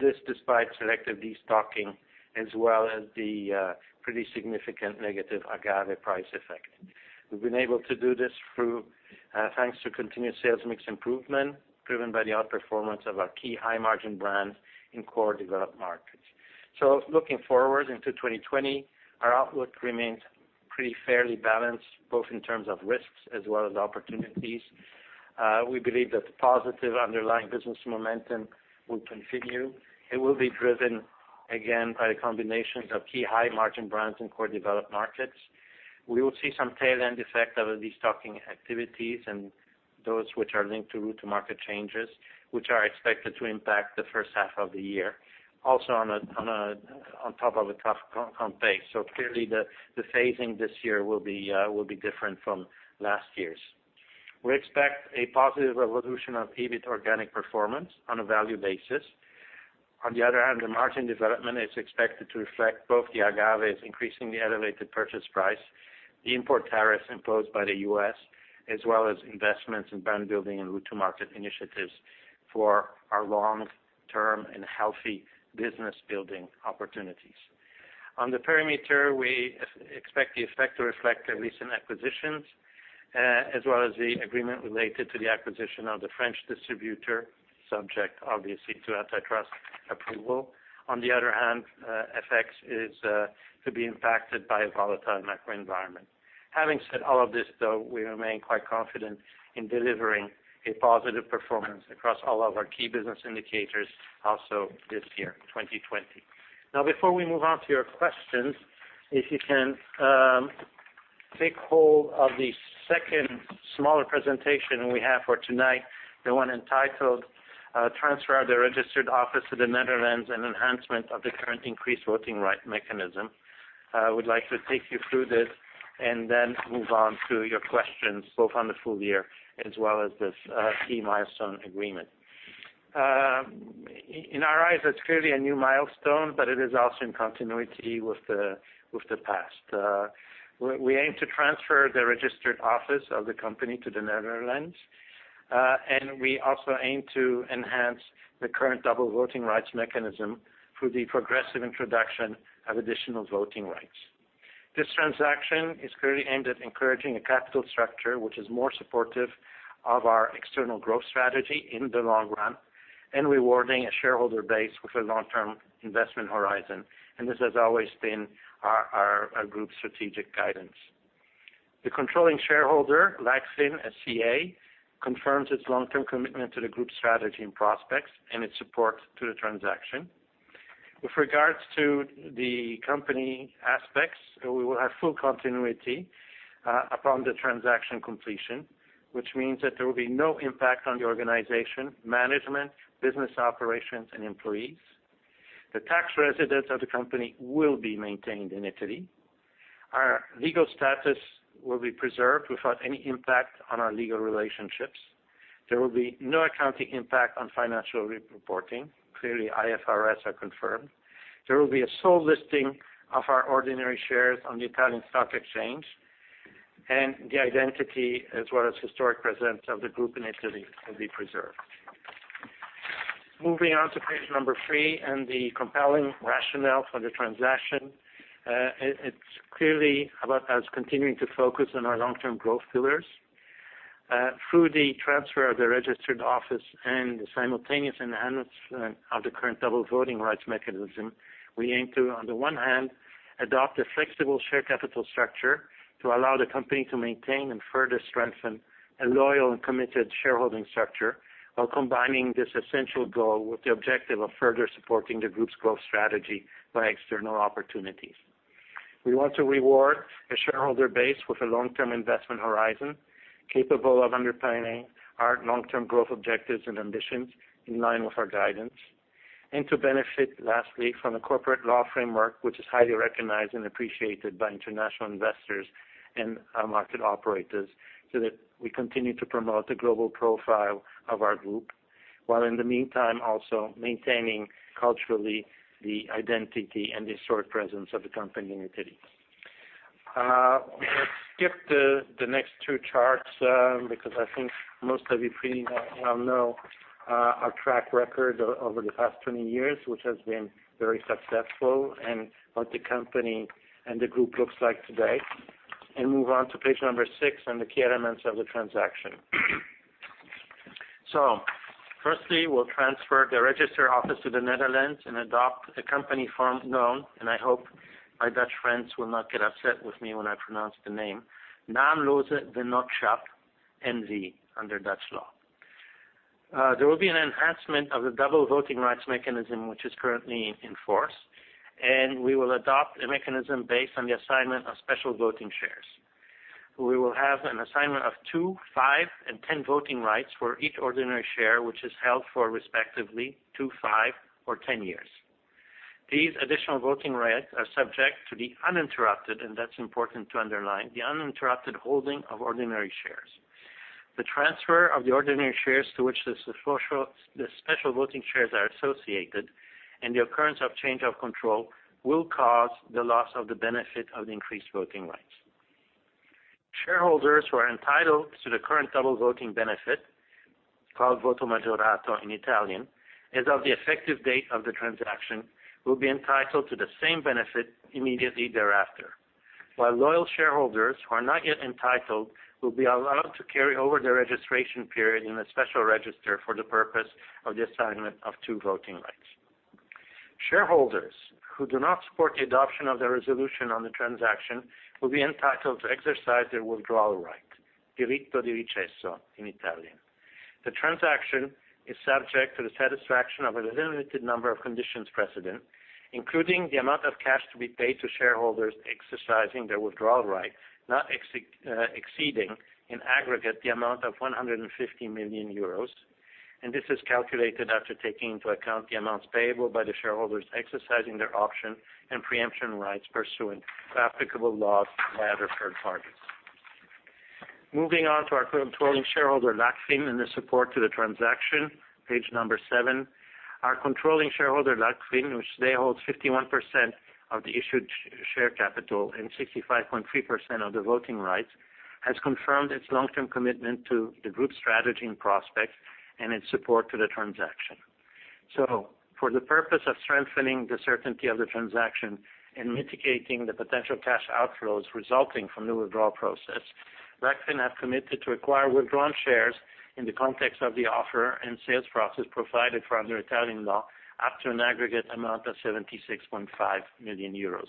this despite selective destocking as well as the pretty significant negative agave price effect. We've been able to do this thanks to continued sales mix improvement, driven by the outperformance of our key high-margin brands in core developed markets. Looking forward into 2020, our outlook remains pretty fairly balanced, both in terms of risks as well as opportunities. We believe that the positive underlying business momentum will continue. It will be driven, again, by the combinations of key high-margin brands in core developed markets. We will see some tail-end effect of destocking activities and those which are linked to route to market changes, which are expected to impact the first half of the year, also on top of a tough comp base. Clearly, the phasing this year will be different from last year's. We expect a positive evolution of EBIT organic performance on a value basis. On the other hand, the margin development is expected to reflect both the agave's increasingly elevated purchase price, the import tariffs imposed by the U.S., as well as investments in brand building and route-to-market initiatives for our long-term and healthy business building opportunities. On the perimeter, we expect the effect to reflect the recent acquisitions, as well as the agreement related to the acquisition of the French distributor, subject obviously to antitrust approval. On the other hand, FX is to be impacted by a volatile macro environment. Having said all of this, though, we remain quite confident in delivering a positive performance across all of our key business indicators also this year, 2020. Before we move on to your questions, if you can take hold of the second smaller presentation we have for tonight, the one entitled Transfer of the Registered Office to the Netherlands and Enhancement of the Current Increased Voting Right Mechanism. I would like to take you through this and then move on to your questions, both on the full year as well as this key milestone agreement. In our eyes, it's clearly a new milestone, but it is also in continuity with the past. We aim to transfer the registered office of the company to the Netherlands, and we also aim to enhance the current double voting rights mechanism through the progressive introduction of additional voting rights. This transaction is clearly aimed at encouraging a capital structure which is more supportive of our external growth strategy in the long run and rewarding a shareholder base with a long-term investment horizon, and this has always been our group strategic guidance. The controlling shareholder, Lagfin SCA, confirms its long-term commitment to the group strategy and prospects and its support to the transaction. With regards to the company aspects, we will have full continuity upon the transaction completion, which means that there will be no impact on the organization, management, business operations, and employees. The tax residence of the company will be maintained in Italy. Our legal status will be preserved without any impact on our legal relationships. There will be no accounting impact on financial reporting. Clearly, IFRS are confirmed. There will be a sole listing of our ordinary shares on the Italian Stock Exchange, and the identity as well as historic presence of the group in Italy will be preserved. Moving on to page number three and the compelling rationale for the transaction. It's clearly about us continuing to focus on our long-term growth pillars. Through the transfer of the registered office and the simultaneous enhancement of the current double voting rights mechanism, we aim to, on the one hand, adopt a flexible share capital structure to allow the company to maintain and further strengthen a loyal and committed shareholding structure while combining this essential goal with the objective of further supporting the group's growth strategy by external opportunities. We want to reward a shareholder base with a long-term investment horizon capable of underpinning our long-term growth objectives and ambitions in line with our guidance, and to benefit, lastly, from a corporate law framework which is highly recognized and appreciated by international investors and our market operators, so that we continue to promote the global profile of our group, while in the meantime, also maintaining culturally the identity and historic presence of the company in Italy. Firstly, we'll transfer the registered office to the Netherlands and adopt a company form known, and I hope my Dutch friends will not get upset with me when I pronounce the name, Naamloze Vennootschap, NV, under Dutch law. There will be an enhancement of the double voting rights mechanism which is currently in force, and we will adopt a mechanism based on the assignment of special voting shares. We will have an assignment of two, five, and 10 voting rights for each ordinary share, which is held for respectively two, five, or 10 years. These additional voting rights are subject to the uninterrupted, and that's important to underline, the uninterrupted holding of ordinary shares. The transfer of the ordinary shares to which the special voting shares are associated, and the occurrence of change of control will cause the loss of the benefit of the increased voting rights. Shareholders who are entitled to the current double voting benefit, called voto maggiorato in Italian, as of the effective date of the transaction, will be entitled to the same benefit immediately thereafter. Loyal shareholders who are not yet entitled, will be allowed to carry over their registration period in a special register for the purpose of the assignment of two voting rights. Shareholders who do not support the adoption of the resolution on the transaction will be entitled to exercise their withdrawal right, diritto di recesso in Italian. The transaction is subject to the satisfaction of a limited number of conditions precedent, including the amount of cash to be paid to shareholders exercising their withdrawal right, not exceeding in aggregate the amount of 150 million euros. This is calculated after taking into account the amounts payable by the shareholders exercising their option and pre-emption rights pursuant to applicable laws by other third parties. Moving on to our controlling shareholder, Lagfin, and the support to the transaction. Page number seven. Our controlling shareholder, Lagfin, which today holds 51% of the issued share capital and 65.3% of the voting rights, has confirmed its long-term commitment to the group strategy and prospects and its support to the transaction. For the purpose of strengthening the certainty of the transaction and mitigating the potential cash outflows resulting from the withdrawal process, Lagfin have committed to acquire withdrawn shares in the context of the offer and sales process provided for under Italian law, up to an aggregate amount of 76.5 million euros,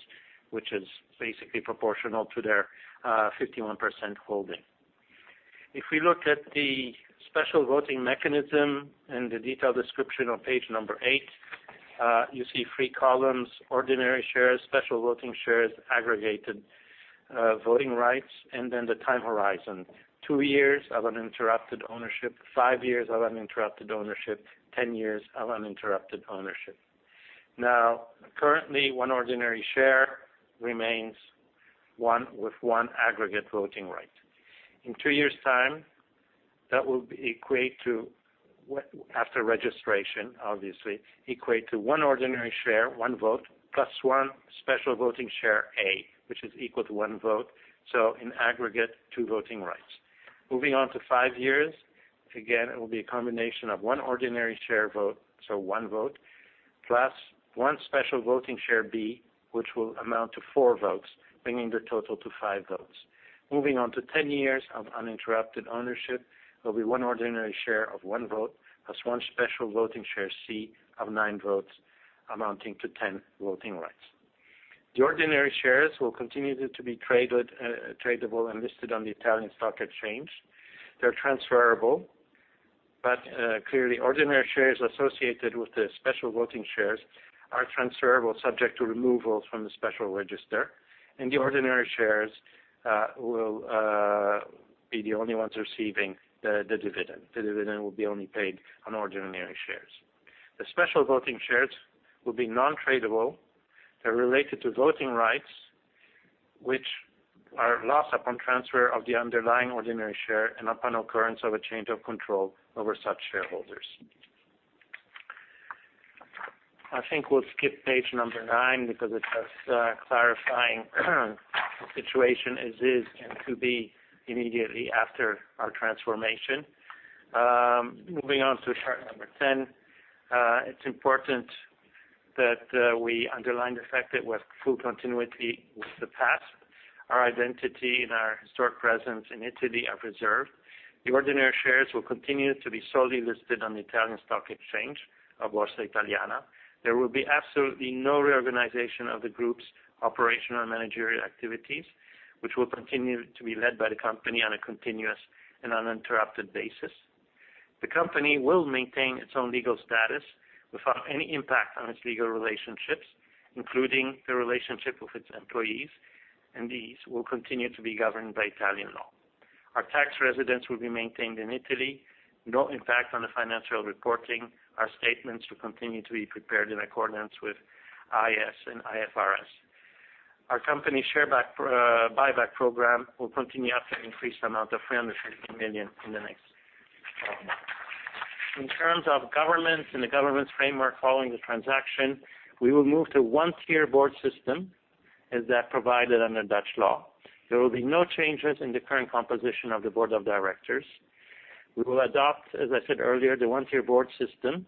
which is basically proportional to their 51% holding. If we look at the special voting mechanism and the detailed description on page number eight, you see three columns, ordinary shares, special voting shares, aggregated voting rights, and then the time horizon. Two years of uninterrupted ownership, five years of uninterrupted ownership, 10 years of uninterrupted ownership. Now, currently, one ordinary share remains one with one aggregate voting right. In two years' time, that will, after registration, obviously, equate to one ordinary share, one vote, plus one Special Voting Share A, which is equal to one vote. In aggregate, two voting rights. Moving on to five years, again, it will be a combination of one ordinary share vote, so one vote, plus one Special Voting Share B, which will amount to four votes, bringing the total to five votes. Moving on to 10 years of uninterrupted ownership, there will be one ordinary share of one vote, plus one Special Voting Share C of nine votes, amounting to 10 voting rights. The ordinary shares will continue to be tradable and listed on the Italian Stock Exchange. They are transferable, but clearly ordinary shares associated with the special voting shares are transferable subject to removals from the special register, and the ordinary shares will be the only ones receiving the dividend. The dividend will be only paid on ordinary shares. The special voting shares will be non-tradable. They're related to voting rights, which are lost upon transfer of the underlying ordinary share and upon occurrence of a change of control over such shareholders. I think we'll skip page number nine because it's just clarifying the situation as is and to be immediately after our transformation. Moving on to chart number 10. It's important that we underline the fact that with full continuity with the past, our identity and our historic presence in Italy are preserved. The ordinary shares will continue to be solely listed on the Italian Stock Exchange of Borsa Italiana. There will be absolutely no reorganization of the group's operational managerial activities, which will continue to be led by the company on a continuous and uninterrupted basis. The company will maintain its own legal status without any impact on its legal relationships, including the relationship with its employees, and these will continue to be governed by Italian law. Our tax residence will be maintained in Italy. No impact on the financial reporting. Our statements will continue to be prepared in accordance with IAS and IFRS. Our company share buyback program will continue up to an increased amount of 350 million in the next 12 months. In terms of governance and the governance framework following the transaction, we will move to a one-tier board system, as provided under Dutch law. There will be no changes in the current composition of the Board of Directors. We will adopt, as I said earlier, the one-tier board system,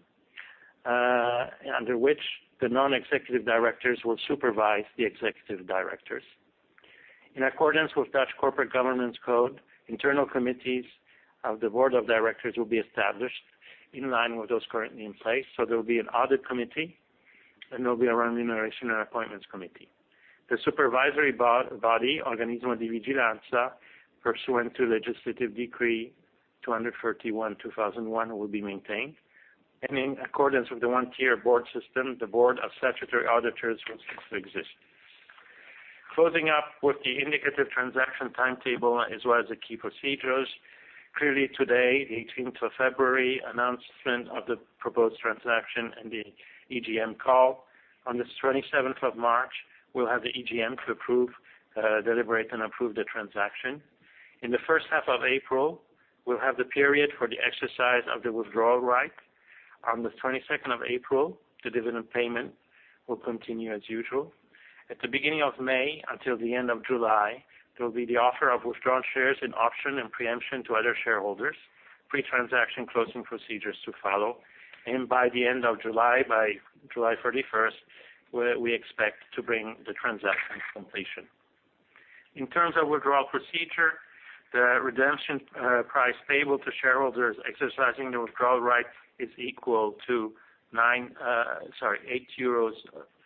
under which the non-executive directors will supervise the executive directors. In accordance with Dutch corporate governance code, internal committees of the Board of Directors will be established in line with those currently in place. There will be an Audit Committee, and there will be a Remuneration and Appointments Committee. The supervisory body, Organismo di Vigilanza, pursuant to Legislative Decree 231/2001, will be maintained. In accordance with the one-tier board system, the Board of Statutory Auditors will cease to exist. Closing up with the indicative transaction timetable as well as the key procedures. Today, the 18th of February, announcement of the proposed transaction and the EGM call. On the 27th of March, we'll have the EGM to deliberate and approve the transaction. In the first half of April, we'll have the period for the exercise of the withdrawal right. On the 22nd of April, the dividend payment will continue as usual. At the beginning of May until the end of July, there will be the offer of withdrawn shares and option and pre-emption to other shareholders, pre-transaction closing procedures to follow. By the end of July, by July 31st, we expect to bring the transaction to completion. In terms of withdrawal procedure, the redemption price payable to shareholders exercising the withdrawal right is equal to 8.376 euros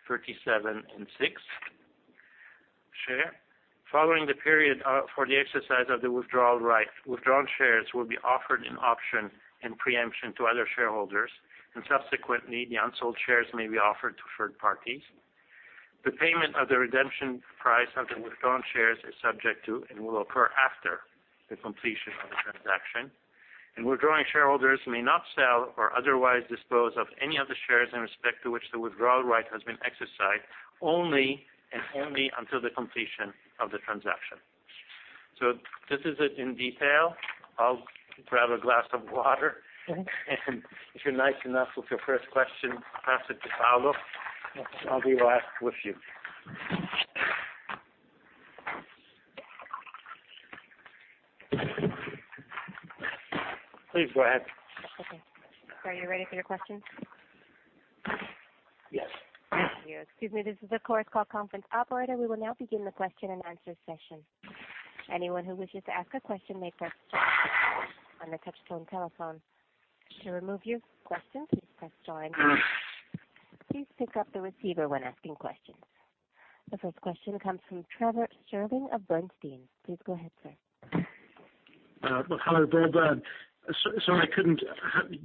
per share. Following the period for the exercise of the withdrawal right, withdrawn shares will be offered an option and pre-emption to other shareholders, and subsequently, the unsold shares may be offered to third parties. The payment of the redemption price of the withdrawn shares is subject to, and will occur after the completion of the transaction. Withdrawing shareholders may not sell or otherwise dispose of any of the shares in respect to which the withdrawal right has been exercised only, and only until the completion of the transaction. This is it in detail. I'll grab a glass of water, and if you're nice enough with your first question, pass it to Paolo. I'll be right with you. Please go ahead. Okay. Sir, are you ready for your questions? Yes. Thank you. Excuse me, this is the Chorus Call conference operator. We will now begin the question and answer session. Anyone who wishes to ask a question may press star [inaudible] on the touch-tone telephone. To remove your question, please press star and one. Please pick up the receiver when asking questions. The first question comes from Trevor Stirling of Bernstein. Please go ahead, sir. Well, hello, Bob. Sorry I couldn't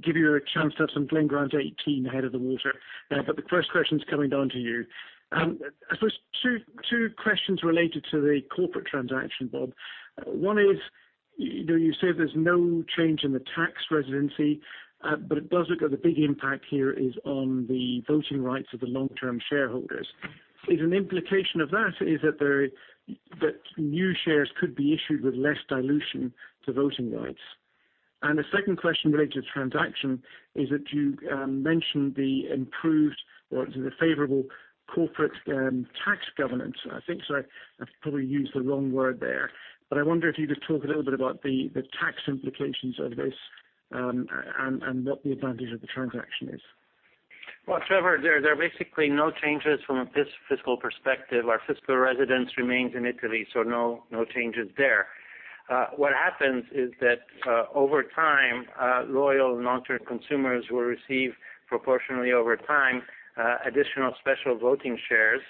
give you a chance to have some Glen Grant 18 Ahead of the Water. The first question's coming down to you. I suppose two questions related to the corporate transaction, Bob. One is, you say there's no change in the tax residency, but it does look like the big impact here is on the voting rights of the long-term shareholders. Is an implication of that is that new shares could be issued with less dilution to voting rights? The second question related to the transaction is that you mentioned the improved or the favorable corporate tax governance. I think I probably used the wrong word there, but I wonder if you could talk a little bit about the tax implications of this, and what the advantage of the transaction is. Well, Trevor, there are basically no changes from a fiscal perspective. Our fiscal residence remains in Italy. No changes there. What happens is that over time, loyal and long-term consumers will receive proportionally over time, additional special voting shares,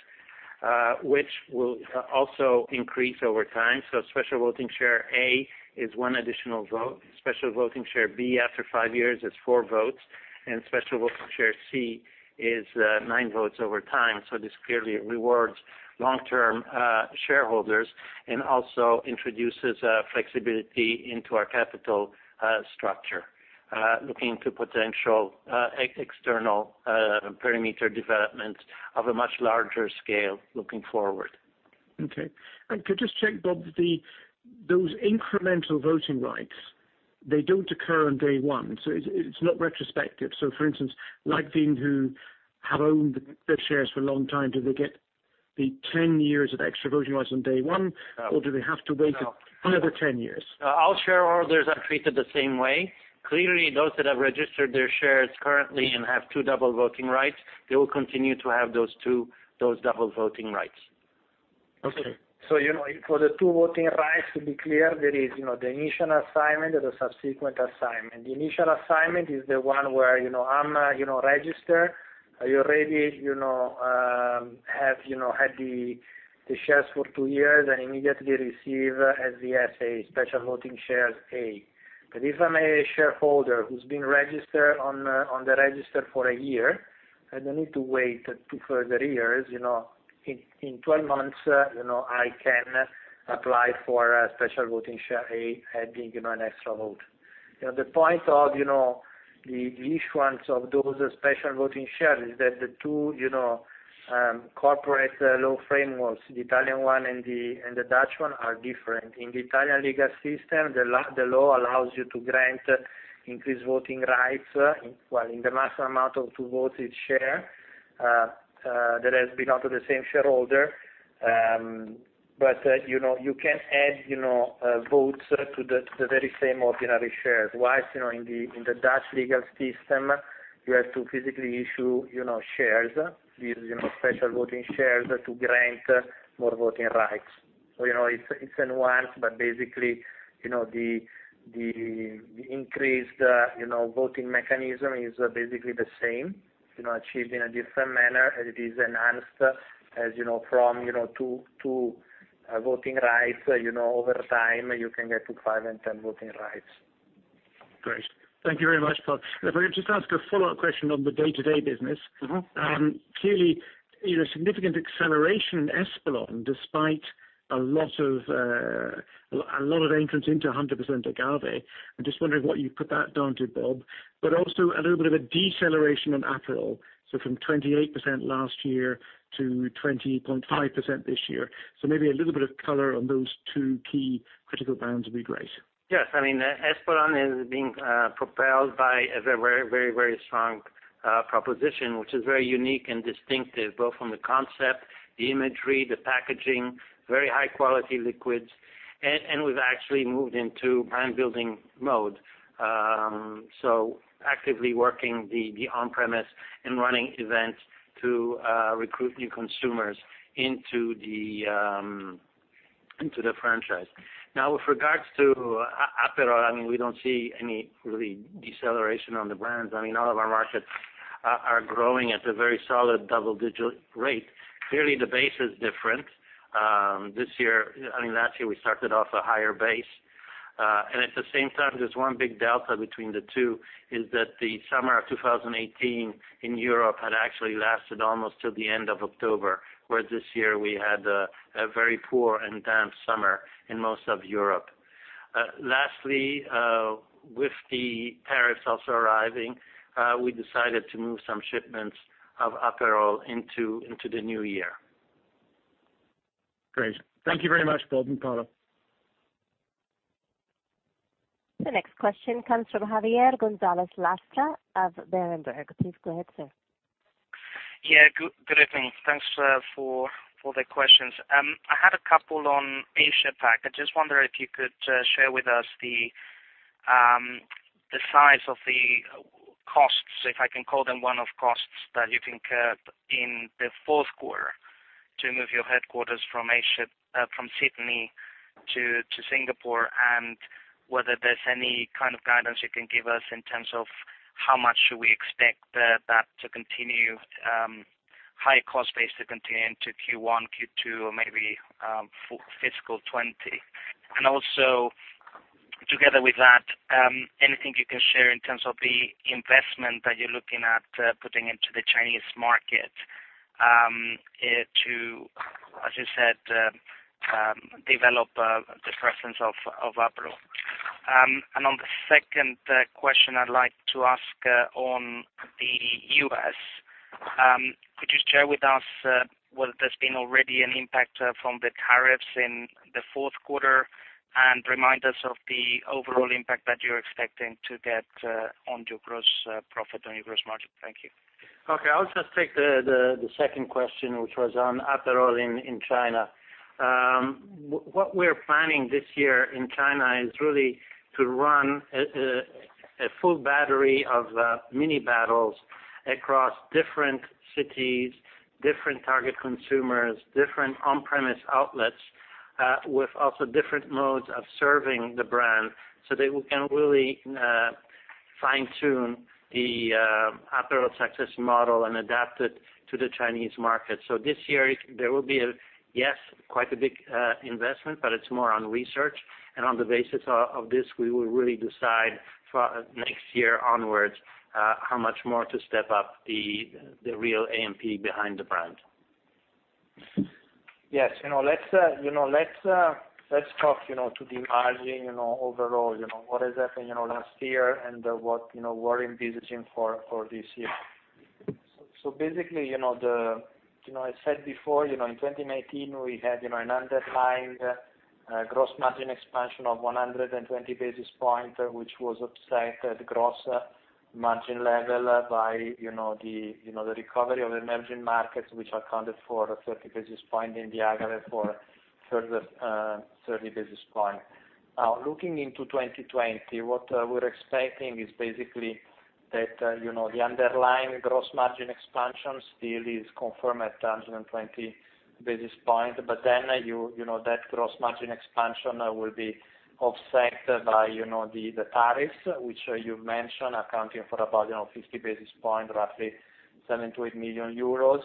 which will also increase over time. Special Voting Share A is one additional vote. Special Voting Share B after five years is four votes, and Special Voting Share C is nine votes over time. This clearly rewards long-term shareholders and also introduces flexibility into our capital structure, looking to potential external parameter development of a much larger scale looking forward. Okay. Could I just check, Bob, those incremental voting rights, they don't occur on day one, so it's not retrospective. For instance, Lagfin who have owned their shares for a long time, do they get the 10 years of extra voting rights on day one? No. Do they have to wait another 10 years? All shareholders are treated the same way. Those that have registered their shares currently and have two, double voting rights, they will continue to have those double voting rights. Okay. For the two voting rights to be clear, there is the initial assignment and the subsequent assignment. The initial assignment is the one where I'm registered. I already have had the shares for two years and immediately receive SVS A, Special Voting shares A. If I'm a shareholder who's been registered on the register for a year, I don't need to wait two further years. In 12 months, I can apply for a Special Voting Share A, adding an extra vote. The point of the issuance of those special voting shares is that the two corporate law frameworks, the Italian one and the Dutch one, are different. In the Italian legal system, the law allows you to grant increased voting rights while in the maximum amount of two votes each share that has belonged to the same shareholder. You can add votes to the very same ordinary shares, whilst in the Dutch legal system, you have to physically issue shares with special voting shares to grant more voting rights. It's enhanced, but basically, the increased voting mechanism is basically the same, achieved in a different manner, and it is enhanced as from two voting rights over time, you can get to five and 10 voting rights. Great. Thank you very much. Bob, if I could just ask a follow-up question on the day-to-day business. Clearly, significant acceleration in Espolòn despite a lot of entrants into 100% agave. I am just wondering what you put that down to, Bob, but also a little bit of a deceleration on Aperol, so from 28% last year to 20.5% this year. Maybe a little bit of color on those two key critical brands would be great. Yes. Espolòn is being propelled by a very strong proposition, which is very unique and distinctive, both from the concept, the imagery, the packaging, very high-quality liquids. We've actually moved into brand-building mode. Actively working the on-premise and running events to recruit new consumers into the franchise. Now, with regards to Aperol, we don't see any really deceleration on the brands. All of our markets are growing at a very solid double-digit rate. Clearly, the base is different. Last year, we started off a higher base. At the same time, there's one big delta between the two is that the summer of 2018 in Europe had actually lasted almost till the end of October, where this year we had a very poor and damp summer in most of Europe. Lastly, with the tariffs also arriving, we decided to move some shipments of Aperol into the new year. Great. Thank you very much, Bob and Paolo. The next question comes from Javier Gonzalez Lastra of Berenberg. Please go ahead, sir. Yeah. Good evening. Thanks for the questions. I had a couple on Asia-Pac. I just wonder if you could share with us the size of the costs, if I can call them one-off costs that you've incurred in the fourth quarter to move your headquarters from Sydney to Singapore, and whether there's any kind of guidance you can give us in terms of how much should we expect that high cost base to continue into Q1, Q2, or maybe fiscal 2020. Also, together with that, anything you can share in terms of the investment that you're looking at putting into the Chinese market to, as you said, develop the presence of Aperol. On the second question, I'd like to ask on the U.S. Could you share with us whether there's been already an impact from the tariffs in the fourth quarter and remind us of the overall impact that you're expecting to get on your gross profit, on your gross margin? Thank you. Okay. I'll just take the second question, which was on Aperol in China. What we're planning this year in China is really to run a full battery of mini battles across different cities, different target consumers, different on-premise outlets, with also different modes of serving the brand so that we can really fine-tune the Aperol success model and adapt it to the Chinese market. This year there will be, yes, quite a big investment, but it's more on research. On the basis of this, we will really decide for next year onwards how much more to step up the real A&P behind the brand. Yes. Let's talk to the margin overall, what has happened last year and what we're envisaging for this year. I said before, in 2019, we had an underlying gross margin expansion of 120 basis points, which was offset at gross margin level by the recovery of emerging markets, which accounted for 30 basis points in the agave for a further 30 basis points. Looking into 2020, what we're expecting is basically that the underlying gross margin expansion still is confirmed at 120 basis points, but then that gross margin expansion will be offset by the tariffs which you've mentioned, accounting for about 50 basis points, roughly 7 million-8 million euros.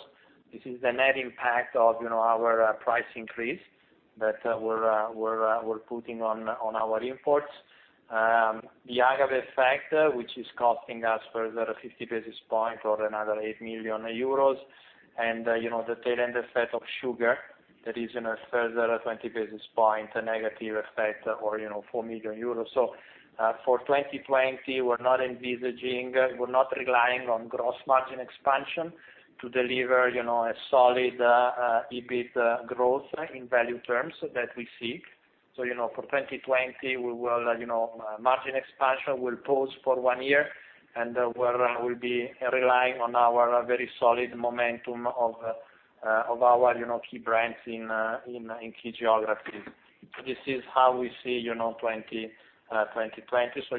This is the net impact of our price increase that we're putting on our imports. The agave effect, which is costing us further 50 basis points or another 8 million euros, and the tail-end effect of sugar that is in a further 20 basis points, a negative effect of 4 million euros. For 2020, we're not envisaging, we're not relying on gross margin expansion to deliver a solid EBIT growth in value terms that we seek. For 2020, margin expansion will pause for one year, and we'll be relying on our very solid momentum of our key brands in key geographies. This is how we see 2020.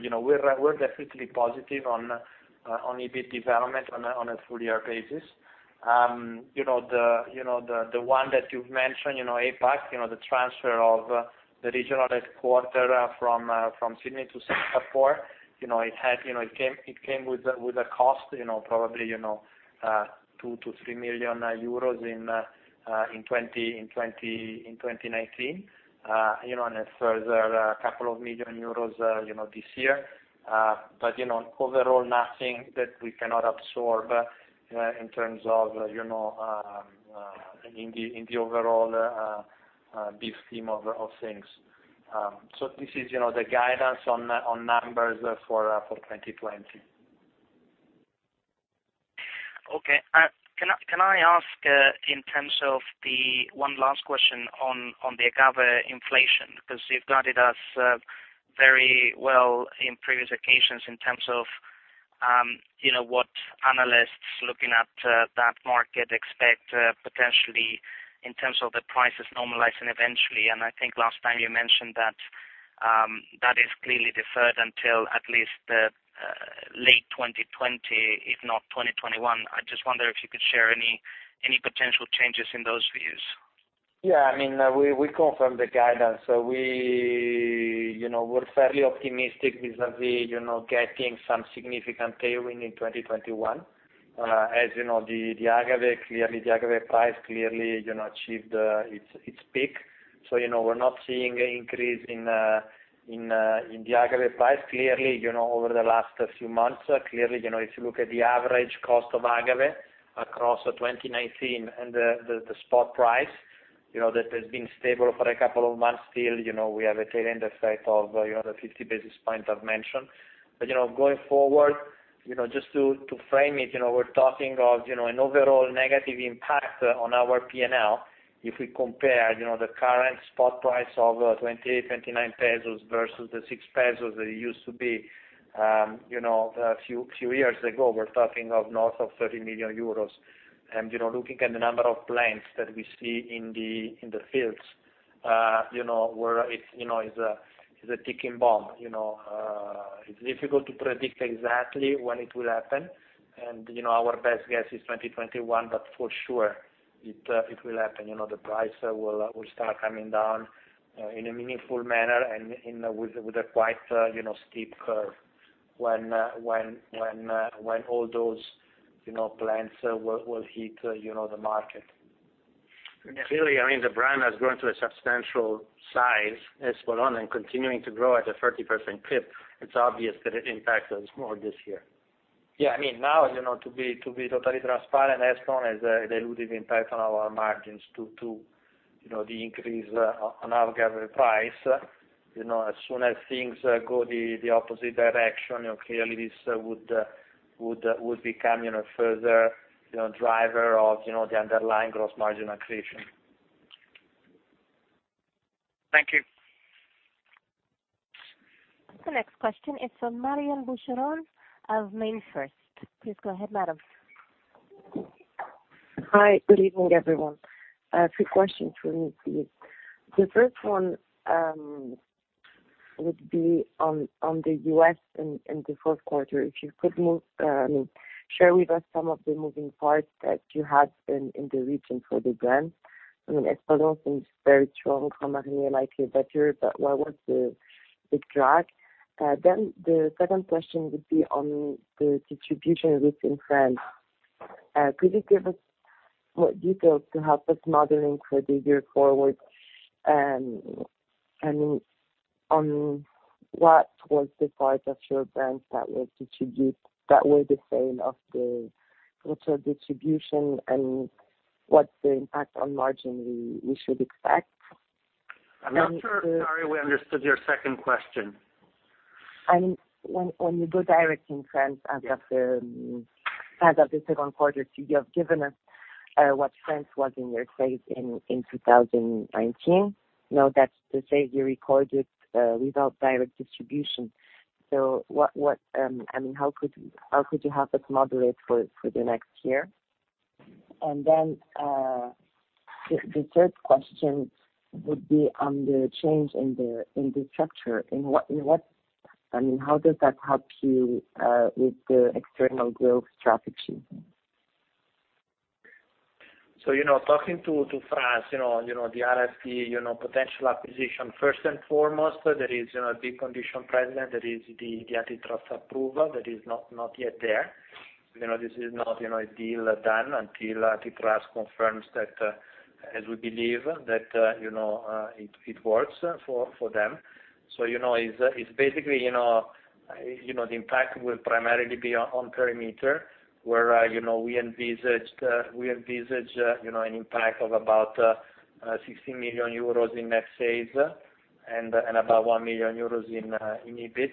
We're definitely positive on EBIT development on a full-year basis. The one that you've mentioned, APAC, the transfer of the regional headquarter from Sydney to Singapore, it came with a cost, probably 2 million-3 million euros in 2019, and a further couple of million euros this year. Overall, nothing that we cannot absorb in terms of in the overall big scheme of things. This is the guidance on numbers for 2020. Okay. Can I ask in terms of the, one last question on the agave inflation, because you've guided us very well in previous occasions in terms of what analysts looking at that market expect potentially in terms of the prices normalizing eventually. I think last time you mentioned that is clearly deferred until at least late 2020, if not 2021. I just wonder if you could share any potential changes in those views. We confirm the guidance. We're fairly optimistic vis-à-vis getting some significant tailwind in 2021. As you know, the agave price clearly achieved its peak. We're not seeing an increase in the agave price. Clearly, over the last few months, clearly, if you look at the average cost of agave across 2019 and the spot price that has been stable for a couple of months, still we have a tail-end effect of the 50 basis point I've mentioned. Going forward, just to frame it, we're talking of an overall negative impact on our P&L if we compare the current spot price of 28, 29 versus the 6 pesos that it used to be a few years ago. We're talking of north of 30 million euros. Looking at the number of plants that we see in the fields, it's a ticking bomb. It's difficult to predict exactly when it will happen, and our best guess is 2021, but for sure it will happen. The price will start coming down in a meaningful manner and with a quite steep curve when all those plants will hit the market. Clearly, the brand has grown to a substantial size, Espolòn, continuing to grow at a 30% clip. It's obvious that it impacts us more this year. To be totally transparent, Espolòn has a dilutive impact on our margins due to the increase on agave price. As soon as things go the opposite direction, clearly this would become a further driver of the underlying gross margin accretion. Thank you. The next question is from Marion Boucheron of MainFirst. Please go ahead, madam. Hi. Good evening, everyone. Three questions for me, please. The first one would be on the U.S. and the fourth quarter, if you could share with us some of the moving parts that you have in the region for the brands. Espolòn seems very strong, Grand Marnier likely better, but what was the drag? The second question would be on the distribution risk in France. Could you give us more details to help us modeling for the year forward, and on what was the part of your brands that were the same of the total distribution, and what's the impact on margin we should expect? I'm not sure, Marion, we understood your second question. When you go direct in France as of the second quarter, so you have given us what France was in your sales in 2019. Now that's the sale you recorded without direct distribution. How could you help us modulate for the next year? The third question would be on the change in the structure. How does that help you with the external growth strategy? Talking to France, the RFD potential acquisition, first and foremost, there is a big condition present, that is the antitrust approval that is not yet there. This is not a deal done until antitrust confirms that, as we believe, that it works for them. It's basically, the impact will primarily be on perimeter, where we envisage an impact of about 60 million euros in net sales and about 1 million euros in EBIT.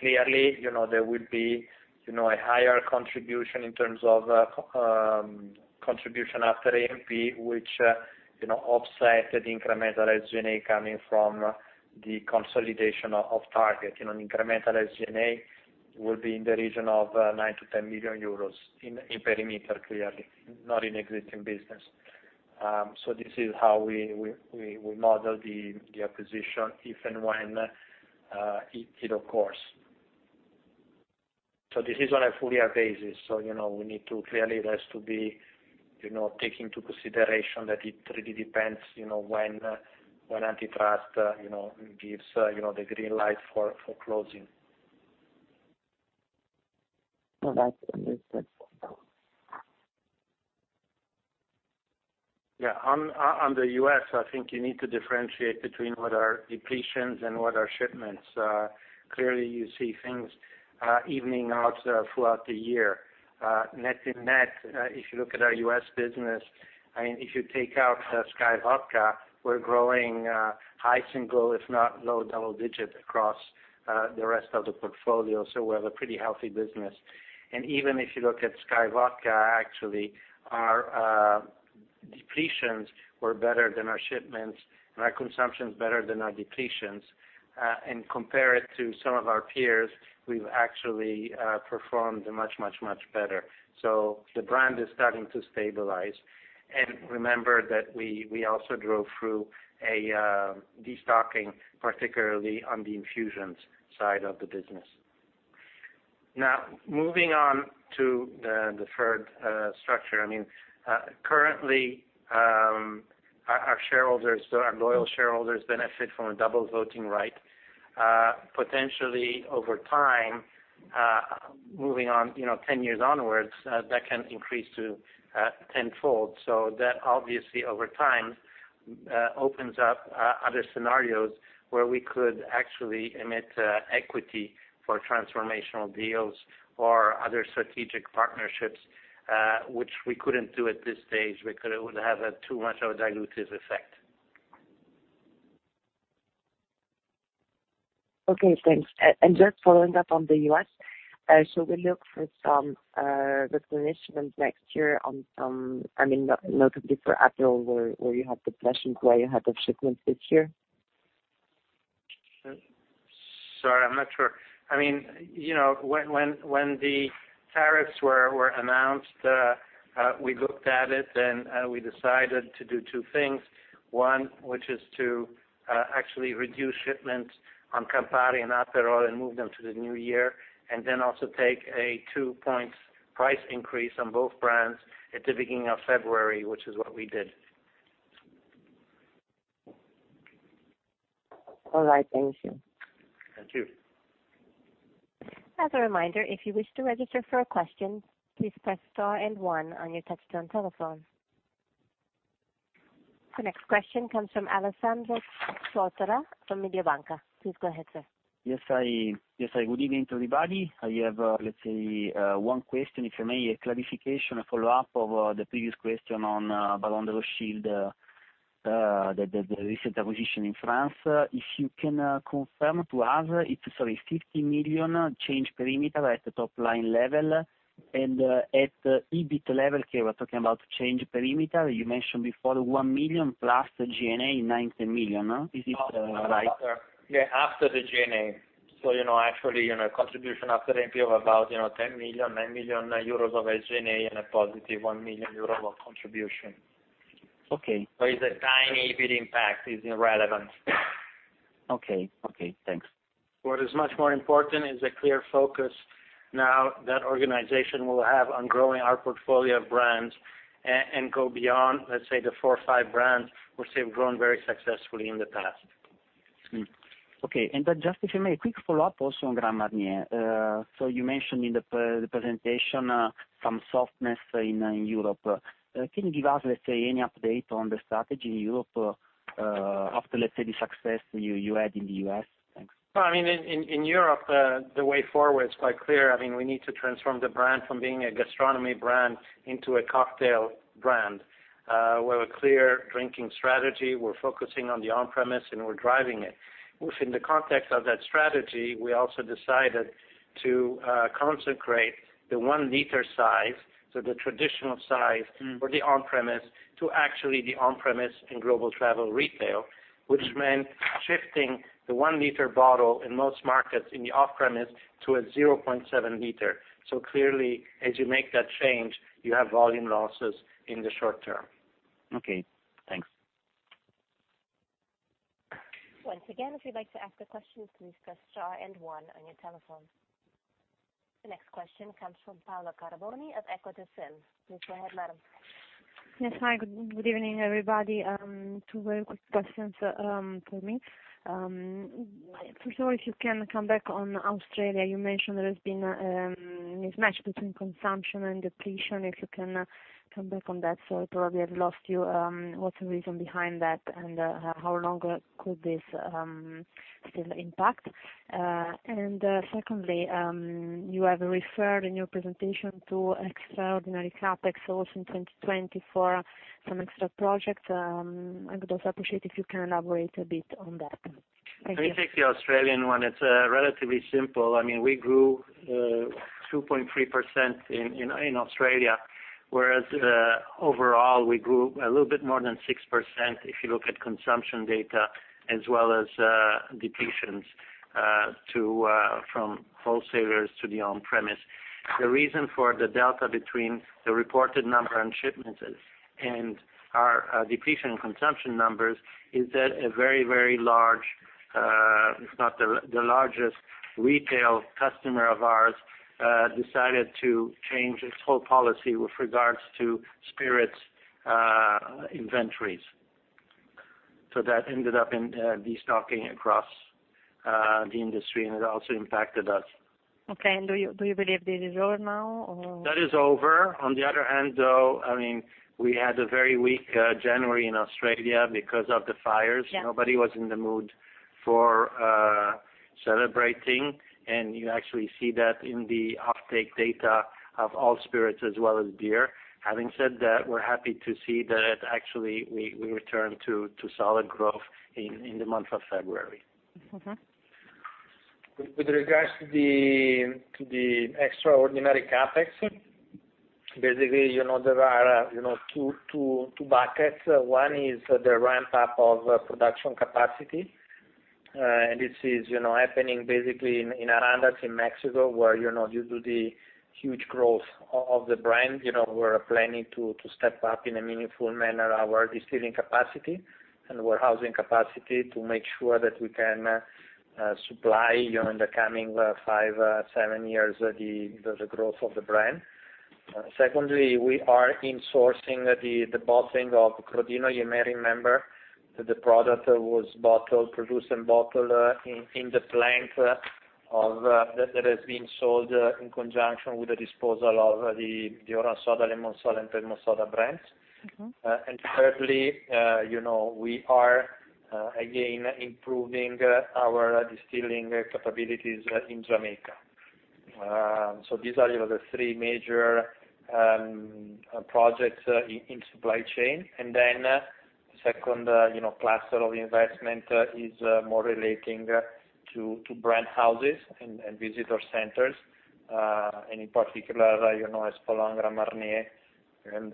Clearly, there will be a higher contribution in terms of contribution after A&P, which offset the incremental SG&A coming from the consolidation of Target will be in the region of 9 million-10 million euros in perimeter, clearly, not in existing business. This is how we model the acquisition, if and when it occurs. This is on a full-year basis, so clearly it has to be take into consideration that it really depends when antitrust gives the green light for closing. All right. Understood. On the U.S., I think you need to differentiate between what are depletions and what are shipments. Clearly, you see things evening out throughout the year. Net in net, if you look at our U.S. business, if you take out SKYY Vodka, we're growing high single, if not low double digits across the rest of the portfolio. We have a pretty healthy business. Even if you look at SKYY Vodka, actually, our depletions were better than our shipments, and our consumption's better than our depletions. Compare it to some of our peers, we've actually performed much, much, much better. The brand is starting to stabilize. Remember that we also drove through a destocking, particularly on the infusions side of the business. Moving on to the deferred structure. Currently, our loyal shareholders benefit from a double voting right. Potentially over time, moving on 10 years onwards, that can increase to tenfold. That obviously, over time, opens up other scenarios where we could actually emit equity for transformational deals or other strategic partnerships, which we couldn't do at this stage because it would have too much of a dilutive effect. Okay, thanks. Just following up on the U.S., should we look for some replenishment next year on some, notably for Aperol, where you had depletions, where you had the shipments this year? Sorry, I'm not sure. When the tariffs were announced, we looked at it, and we decided to do two things. One, which is to actually reduce shipments on Campari and Aperol and move them to the new year, and then also take a 2-point price increase on both brands at the beginning of February, which is what we did. All right, thank you. Thank you. As a reminder, if you wish to register for a question, please press star and one on your touch-tone telephone. The next question comes from Alessandro Tortora from Mediobanca. Please go ahead, sir. Yes. Good evening to everybody. I have, let's say, one question, if I may, a clarification, a follow-up of the previous question about Baron de Rothschild, the recent acquisition in France. If you can confirm to us, it is, sorry, 50 million change perimeter at the top-line level, and at the EBIT level, here we are talking about change perimeter. You mentioned before 1 million plus G&A, 9 million-10 million. Is this right? Yeah, after the G&A. Actually, contribution after MP of about 10 million, 9 million euros of SG&A, and a positive 1 million euro of contribution. Okay. It's a tiny EBIT impact. It's irrelevant. Okay. Thanks. What is much more important is the clear focus now that organization will have on growing our portfolio of brands and go beyond, let's say, the four or five brands which they have grown very successfully in the past. Okay. Just if you may, a quick follow-up also on Grand Marnier. You mentioned in the presentation some softness in Europe. Can you give us, let's say, any update on the strategy in Europe after, let's say, the success you had in the U.S.? Thanks. In Europe, the way forward is quite clear. We need to transform the brand from being a gastronomy brand into a cocktail brand, with a clear drinking strategy. We're focusing on the on-premise, and we're driving it. Within the context of that strategy, we also decided to consecrate the 1-liter size, so the traditional size for the on-premise, to actually the on-premise and global travel retail, which meant shifting the 1-liter bottle in most markets in the off-premise to a 0.7-liter. Clearly, as you make that change, you have volume losses in the short term. Okay, thanks. Once again, if you'd like to ask a question, please press star and one on your telephone. The next question comes from Paola Carboni of Equita SIM. Please go ahead, madam. Yes, hi. Good evening, everybody. Two very quick questions for me. First of all, if you can come back on Australia, you mentioned there has been a mismatch between consumption and depletion. If you can come back on that, sorry, probably I've lost you. What's the reason behind that, and how long could this still impact? Secondly, you have referred in your presentation to extraordinary CapEx also in 2024, some extra project. I would also appreciate if you can elaborate a bit on that. Let me take the Australian one. It is relatively simple. We grew 2.3% in Australia, whereas overall, we grew a little bit more than 6%, if you look at consumption data as well as depletions from wholesalers to the on-premise. The reason for the delta between the reported number and shipments and our depletion consumption numbers is that a very large, if not the largest retail customer of ours, decided to change its whole policy with regards to spirits inventories. That ended up in destocking across the industry, and it also impacted us. Okay. Do you believe this is over now, or? That is over. On the other hand, though, we had a very weak January in Australia because of the fires. Yeah. Nobody was in the mood for celebrating, and you actually see that in the offtake data of all spirits as well as beer. Having said that, we're happy to see that actually we returned to solid growth in the month of February. With regards to the extraordinary CapEx, basically, there are two buckets. One is the ramp-up of production capacity. This is happening basically in Arandas, in Mexico, where due to the huge growth of the brand, we are planning to step up in a meaningful manner our distilling capacity and warehousing capacity to make sure that we can supply in the coming five, seven years, the growth of the brand. Secondly, we are insourcing the bottling of Crodino. You may remember that the product was produced and bottled in the plant that has been sold in conjunction with the disposal of the Oransoda, Lemonsoda, and Pelmosoda brands. Thirdly, we are again improving our distilling capabilities in Jamaica. These are the three major projects in supply chain. Then the second cluster of investment is more relating to brand houses and visitor centers. In particular, Espolòn, Grand Marnier, and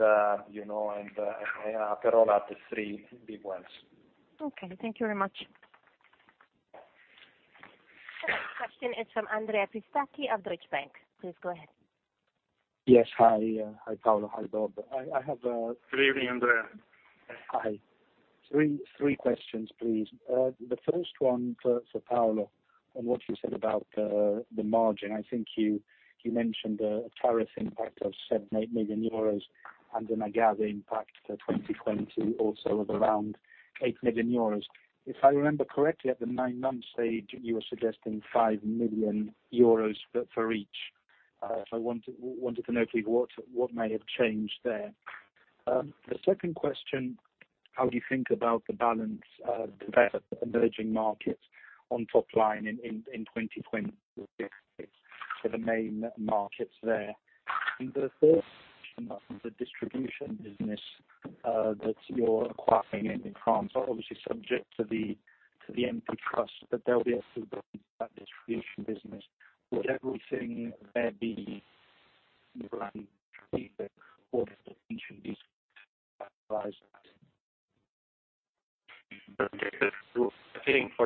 Aperol are the three big ones. Okay. Thank you very much. The next question is from Andrea Pistacchi of Deutsche Bank. Please go ahead. Yes. Hi, Paolo. Hi, Bob. I have— Good evening, Andrea. Hi. Three questions, please. The first one for Paolo on what you said about the margin. I think you mentioned a tariff impact of 7 million, 8 million euros and an agave impact for 2020 also of around 8 million euros. If I remember correctly, at the nine months stage, you were suggesting 5 million euros for each. I wanted to know what may have changed there. The second question, how do you think about the balance of developed emerging markets on top line in 2020 for the main markets there? The third question on the distribution business that you're acquiring in France, obviously subject to the antitrust, but there'll be a [audio distortion] distribution business. Would everything [audio distortion] each of these? I think for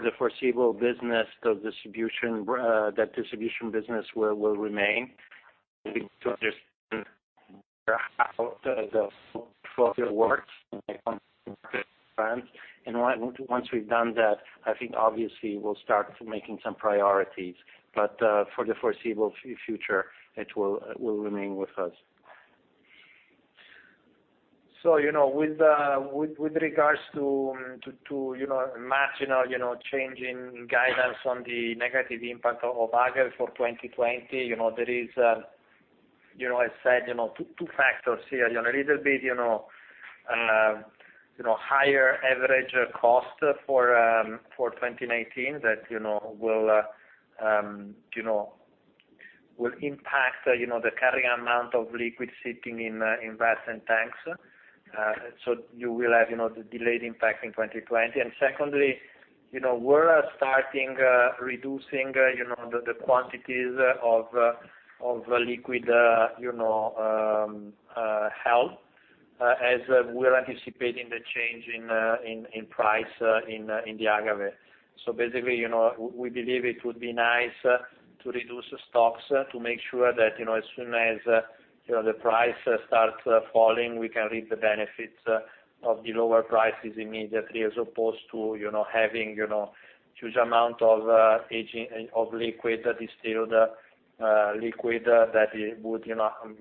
the foreseeable, that distribution business will remain. We need to understand how the RFD works in France, once we've done that, I think obviously we'll start making some priorities. For the foreseeable future, it will remain with us. With regards to marginal change in guidance on the negative impact of agave for 2020, there is, as said, two factors here. A little bit higher average cost for 2019 that will impact the carrying amount of liquid sitting in vats and tanks. You will have the delayed impact in 2020. Secondly, we're starting reducing the quantities of liquid held, as we're anticipating the change in price in the agave. Basically, we believe it would be nice to reduce stocks to make sure that as soon as the price starts falling, we can reap the benefits of the lower prices immediately, as opposed to having huge amount of distilled liquid that we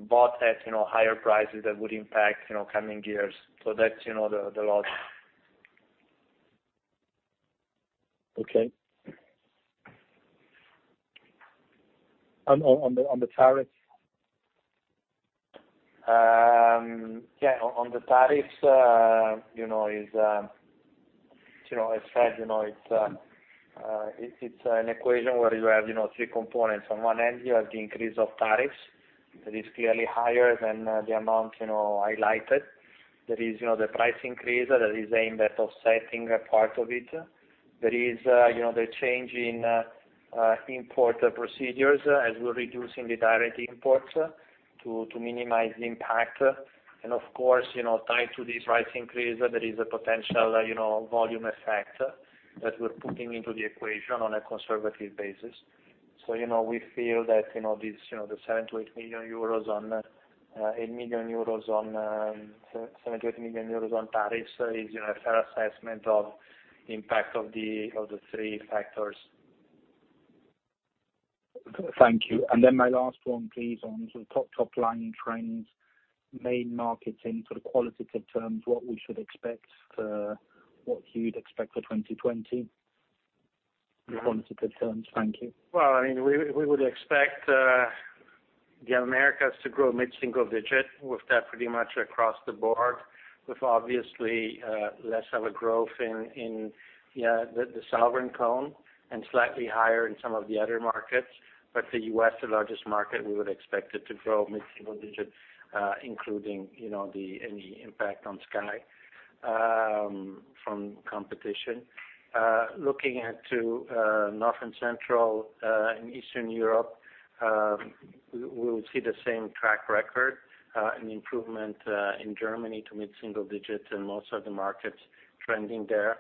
bought at higher prices that would impact coming years. That's the logic. Okay. On the tariffs? Yeah, on the tariffs, as said, it's an equation where you have three components. You have the increase of tariffs. That is clearly higher than the amount highlighted. There is the price increase that is aimed at offsetting a part of it. There is the change in import procedures as we're reducing the direct imports to minimize the impact, and of course, tied to this price increase, there is a potential volume effect that we're putting into the equation on a conservative basis. We feel that the EUR 7 million-EUR 8 million on tariffs is a fair assessment of the impact of the other three factors. Thank you. My last one, please, on sort of top-line trends, main markets in sort of qualitative terms, what you'd expect for 2020 in quantitative terms? Thank you. We would expect the Americas to grow mid-single digit with that pretty much across the board, with obviously less of a growth in the Southern Cone and slightly higher in some of the other markets. The U.S., the largest market, we would expect it to grow mid-single digits, including any impact on SKYY from competition. Looking to North and Central and Eastern Europe, we'll see the same track record, an improvement in Germany to mid-single digit in most of the markets trending there.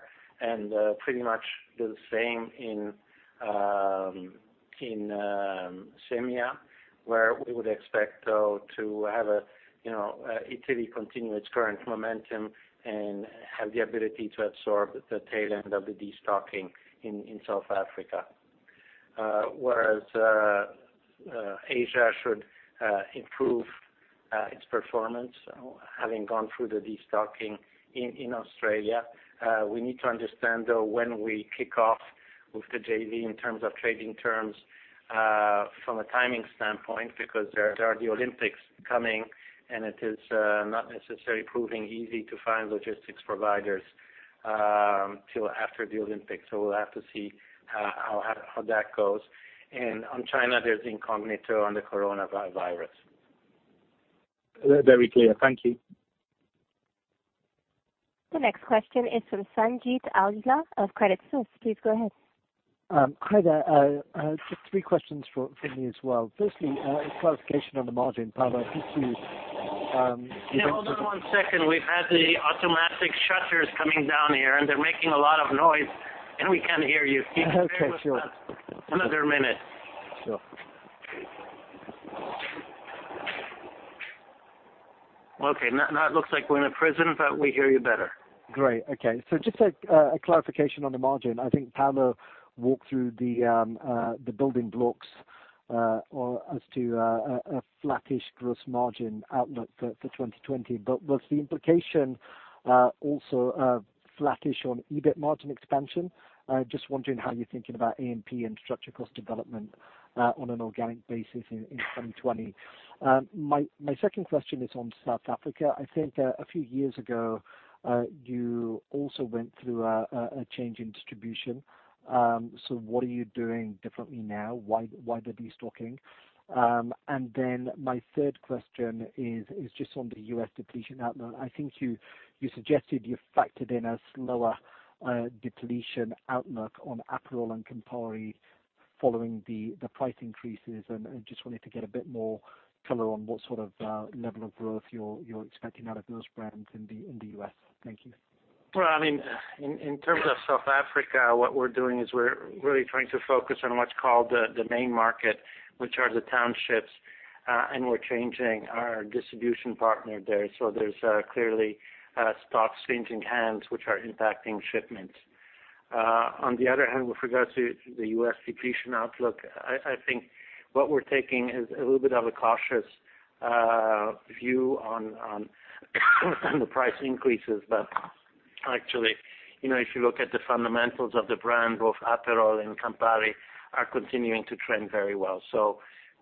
Pretty much the same in SEMEA, where we would expect though to have Italy continue its current momentum and have the ability to absorb the tail end of the destocking in South Africa. Asia should improve its performance, having gone through the destocking in Australia. We need to understand, though, when we kick off with the JV in terms of trading terms from a timing standpoint, because there are the Olympics coming, and it is not necessarily proving easy to find logistics providers till after the Olympics. We'll have to see how that goes. On China, there's incognita on the coronavirus. Very clear. Thank you. The next question is from Sanjeet Aujla of Credit Suisse. Please go ahead. Hi there. Just three questions for me as well. Firstly, a clarification on the margin, Paolo, I think you— Hold on one second. We've had the automatic shutters coming down here, and they're making a lot of noise, and we can't hear you. Okay, sure. Bear with us another minute. Sure. Okay, now it looks like we're in a prison, but we hear you better. Great. Okay. Just a clarification on the margin. I think Paolo walked through the building blocks as to a flattish gross margin outlook for 2020. Was the implication also flattish on EBIT margin expansion? Just wondering how you're thinking about A&P and structural cost development on an organic basis in 2020. My second question is on South Africa. I think a few years ago, you also went through a change in distribution. What are you doing differently now? Why the destocking? My third question is just on the U.S. depletion outlook. I think you suggested you factored in a slower depletion outlook on Aperol and Campari following the price increases, and just wanted to get a bit more color on what sort of level of growth you're expecting out of those brands in the U.S. Thank you. Well, in terms of South Africa, what we're doing is we're really trying to focus on what's called the main market, which are the townships, and we're changing our distribution partner there. There's clearly stocks changing hands, which are impacting shipments. On the other hand, with regards to the U.S. depletion outlook, I think what we're taking is a little bit of a cautious view on the price increases, but actually, if you look at the fundamentals of the brand, both Aperol and Campari are continuing to trend very well.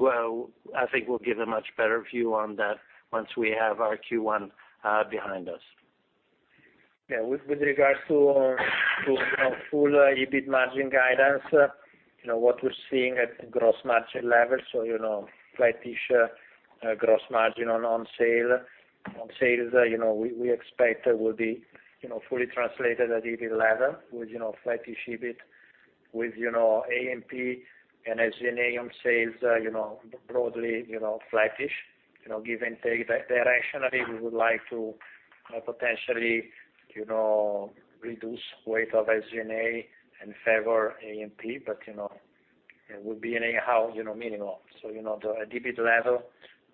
I think we'll give a much better view on that once we have our Q1 behind us. Yeah. With regards to full EBIT margin guidance, what we're seeing at the gross margin level, so flattish gross margin on sale. On sales, we expect will be fully translated at EBIT level with flattish EBIT with A&P and SG&A, on sales, broadly flattish. Give and take directionally, we would like to potentially reduce weight of SG&A in favor A&P, but it would be anyhow minimal. At EBIT level,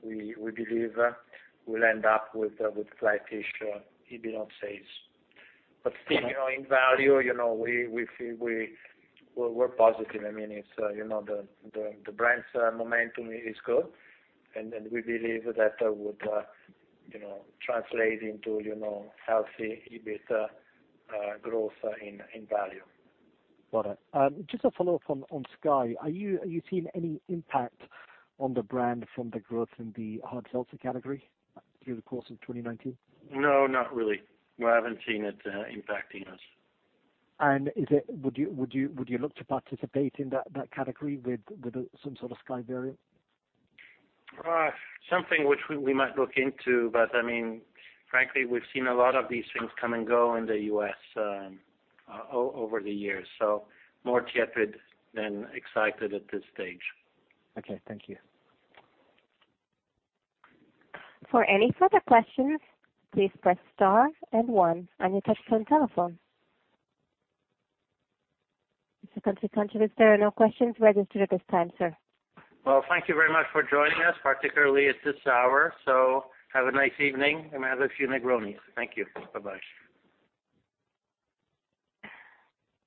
we believe we'll end up with flattish EBIT on sales. Still, in value, we're positive. The brand's momentum is good, and we believe that would translate into healthy EBIT growth in value. Got it. Just a follow-up on SKYY. Are you seeing any impact on the brand from the growth in the hard seltzer category through the course of 2019? No, not really. We haven't seen it impacting us. Would you look to participate in that category with some sort of SKYY variant? Something which we might look into, but frankly, we've seen a lot of these things come and go in the U.S. over the years. More tepid than excited at this stage. Okay, thank you. For any further questions, please press star and one on your touch-tone telephone. Mr. Kunze-Concewitz, there are no questions registered at this time, sir. Well, thank you very much for joining us, particularly at this hour. Have a nice evening, and have a few Negronis. Thank you. Bye-bye.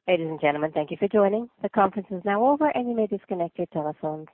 Ladies and gentlemen, thank you for joining. The conference is now over, and you may disconnect your telephones.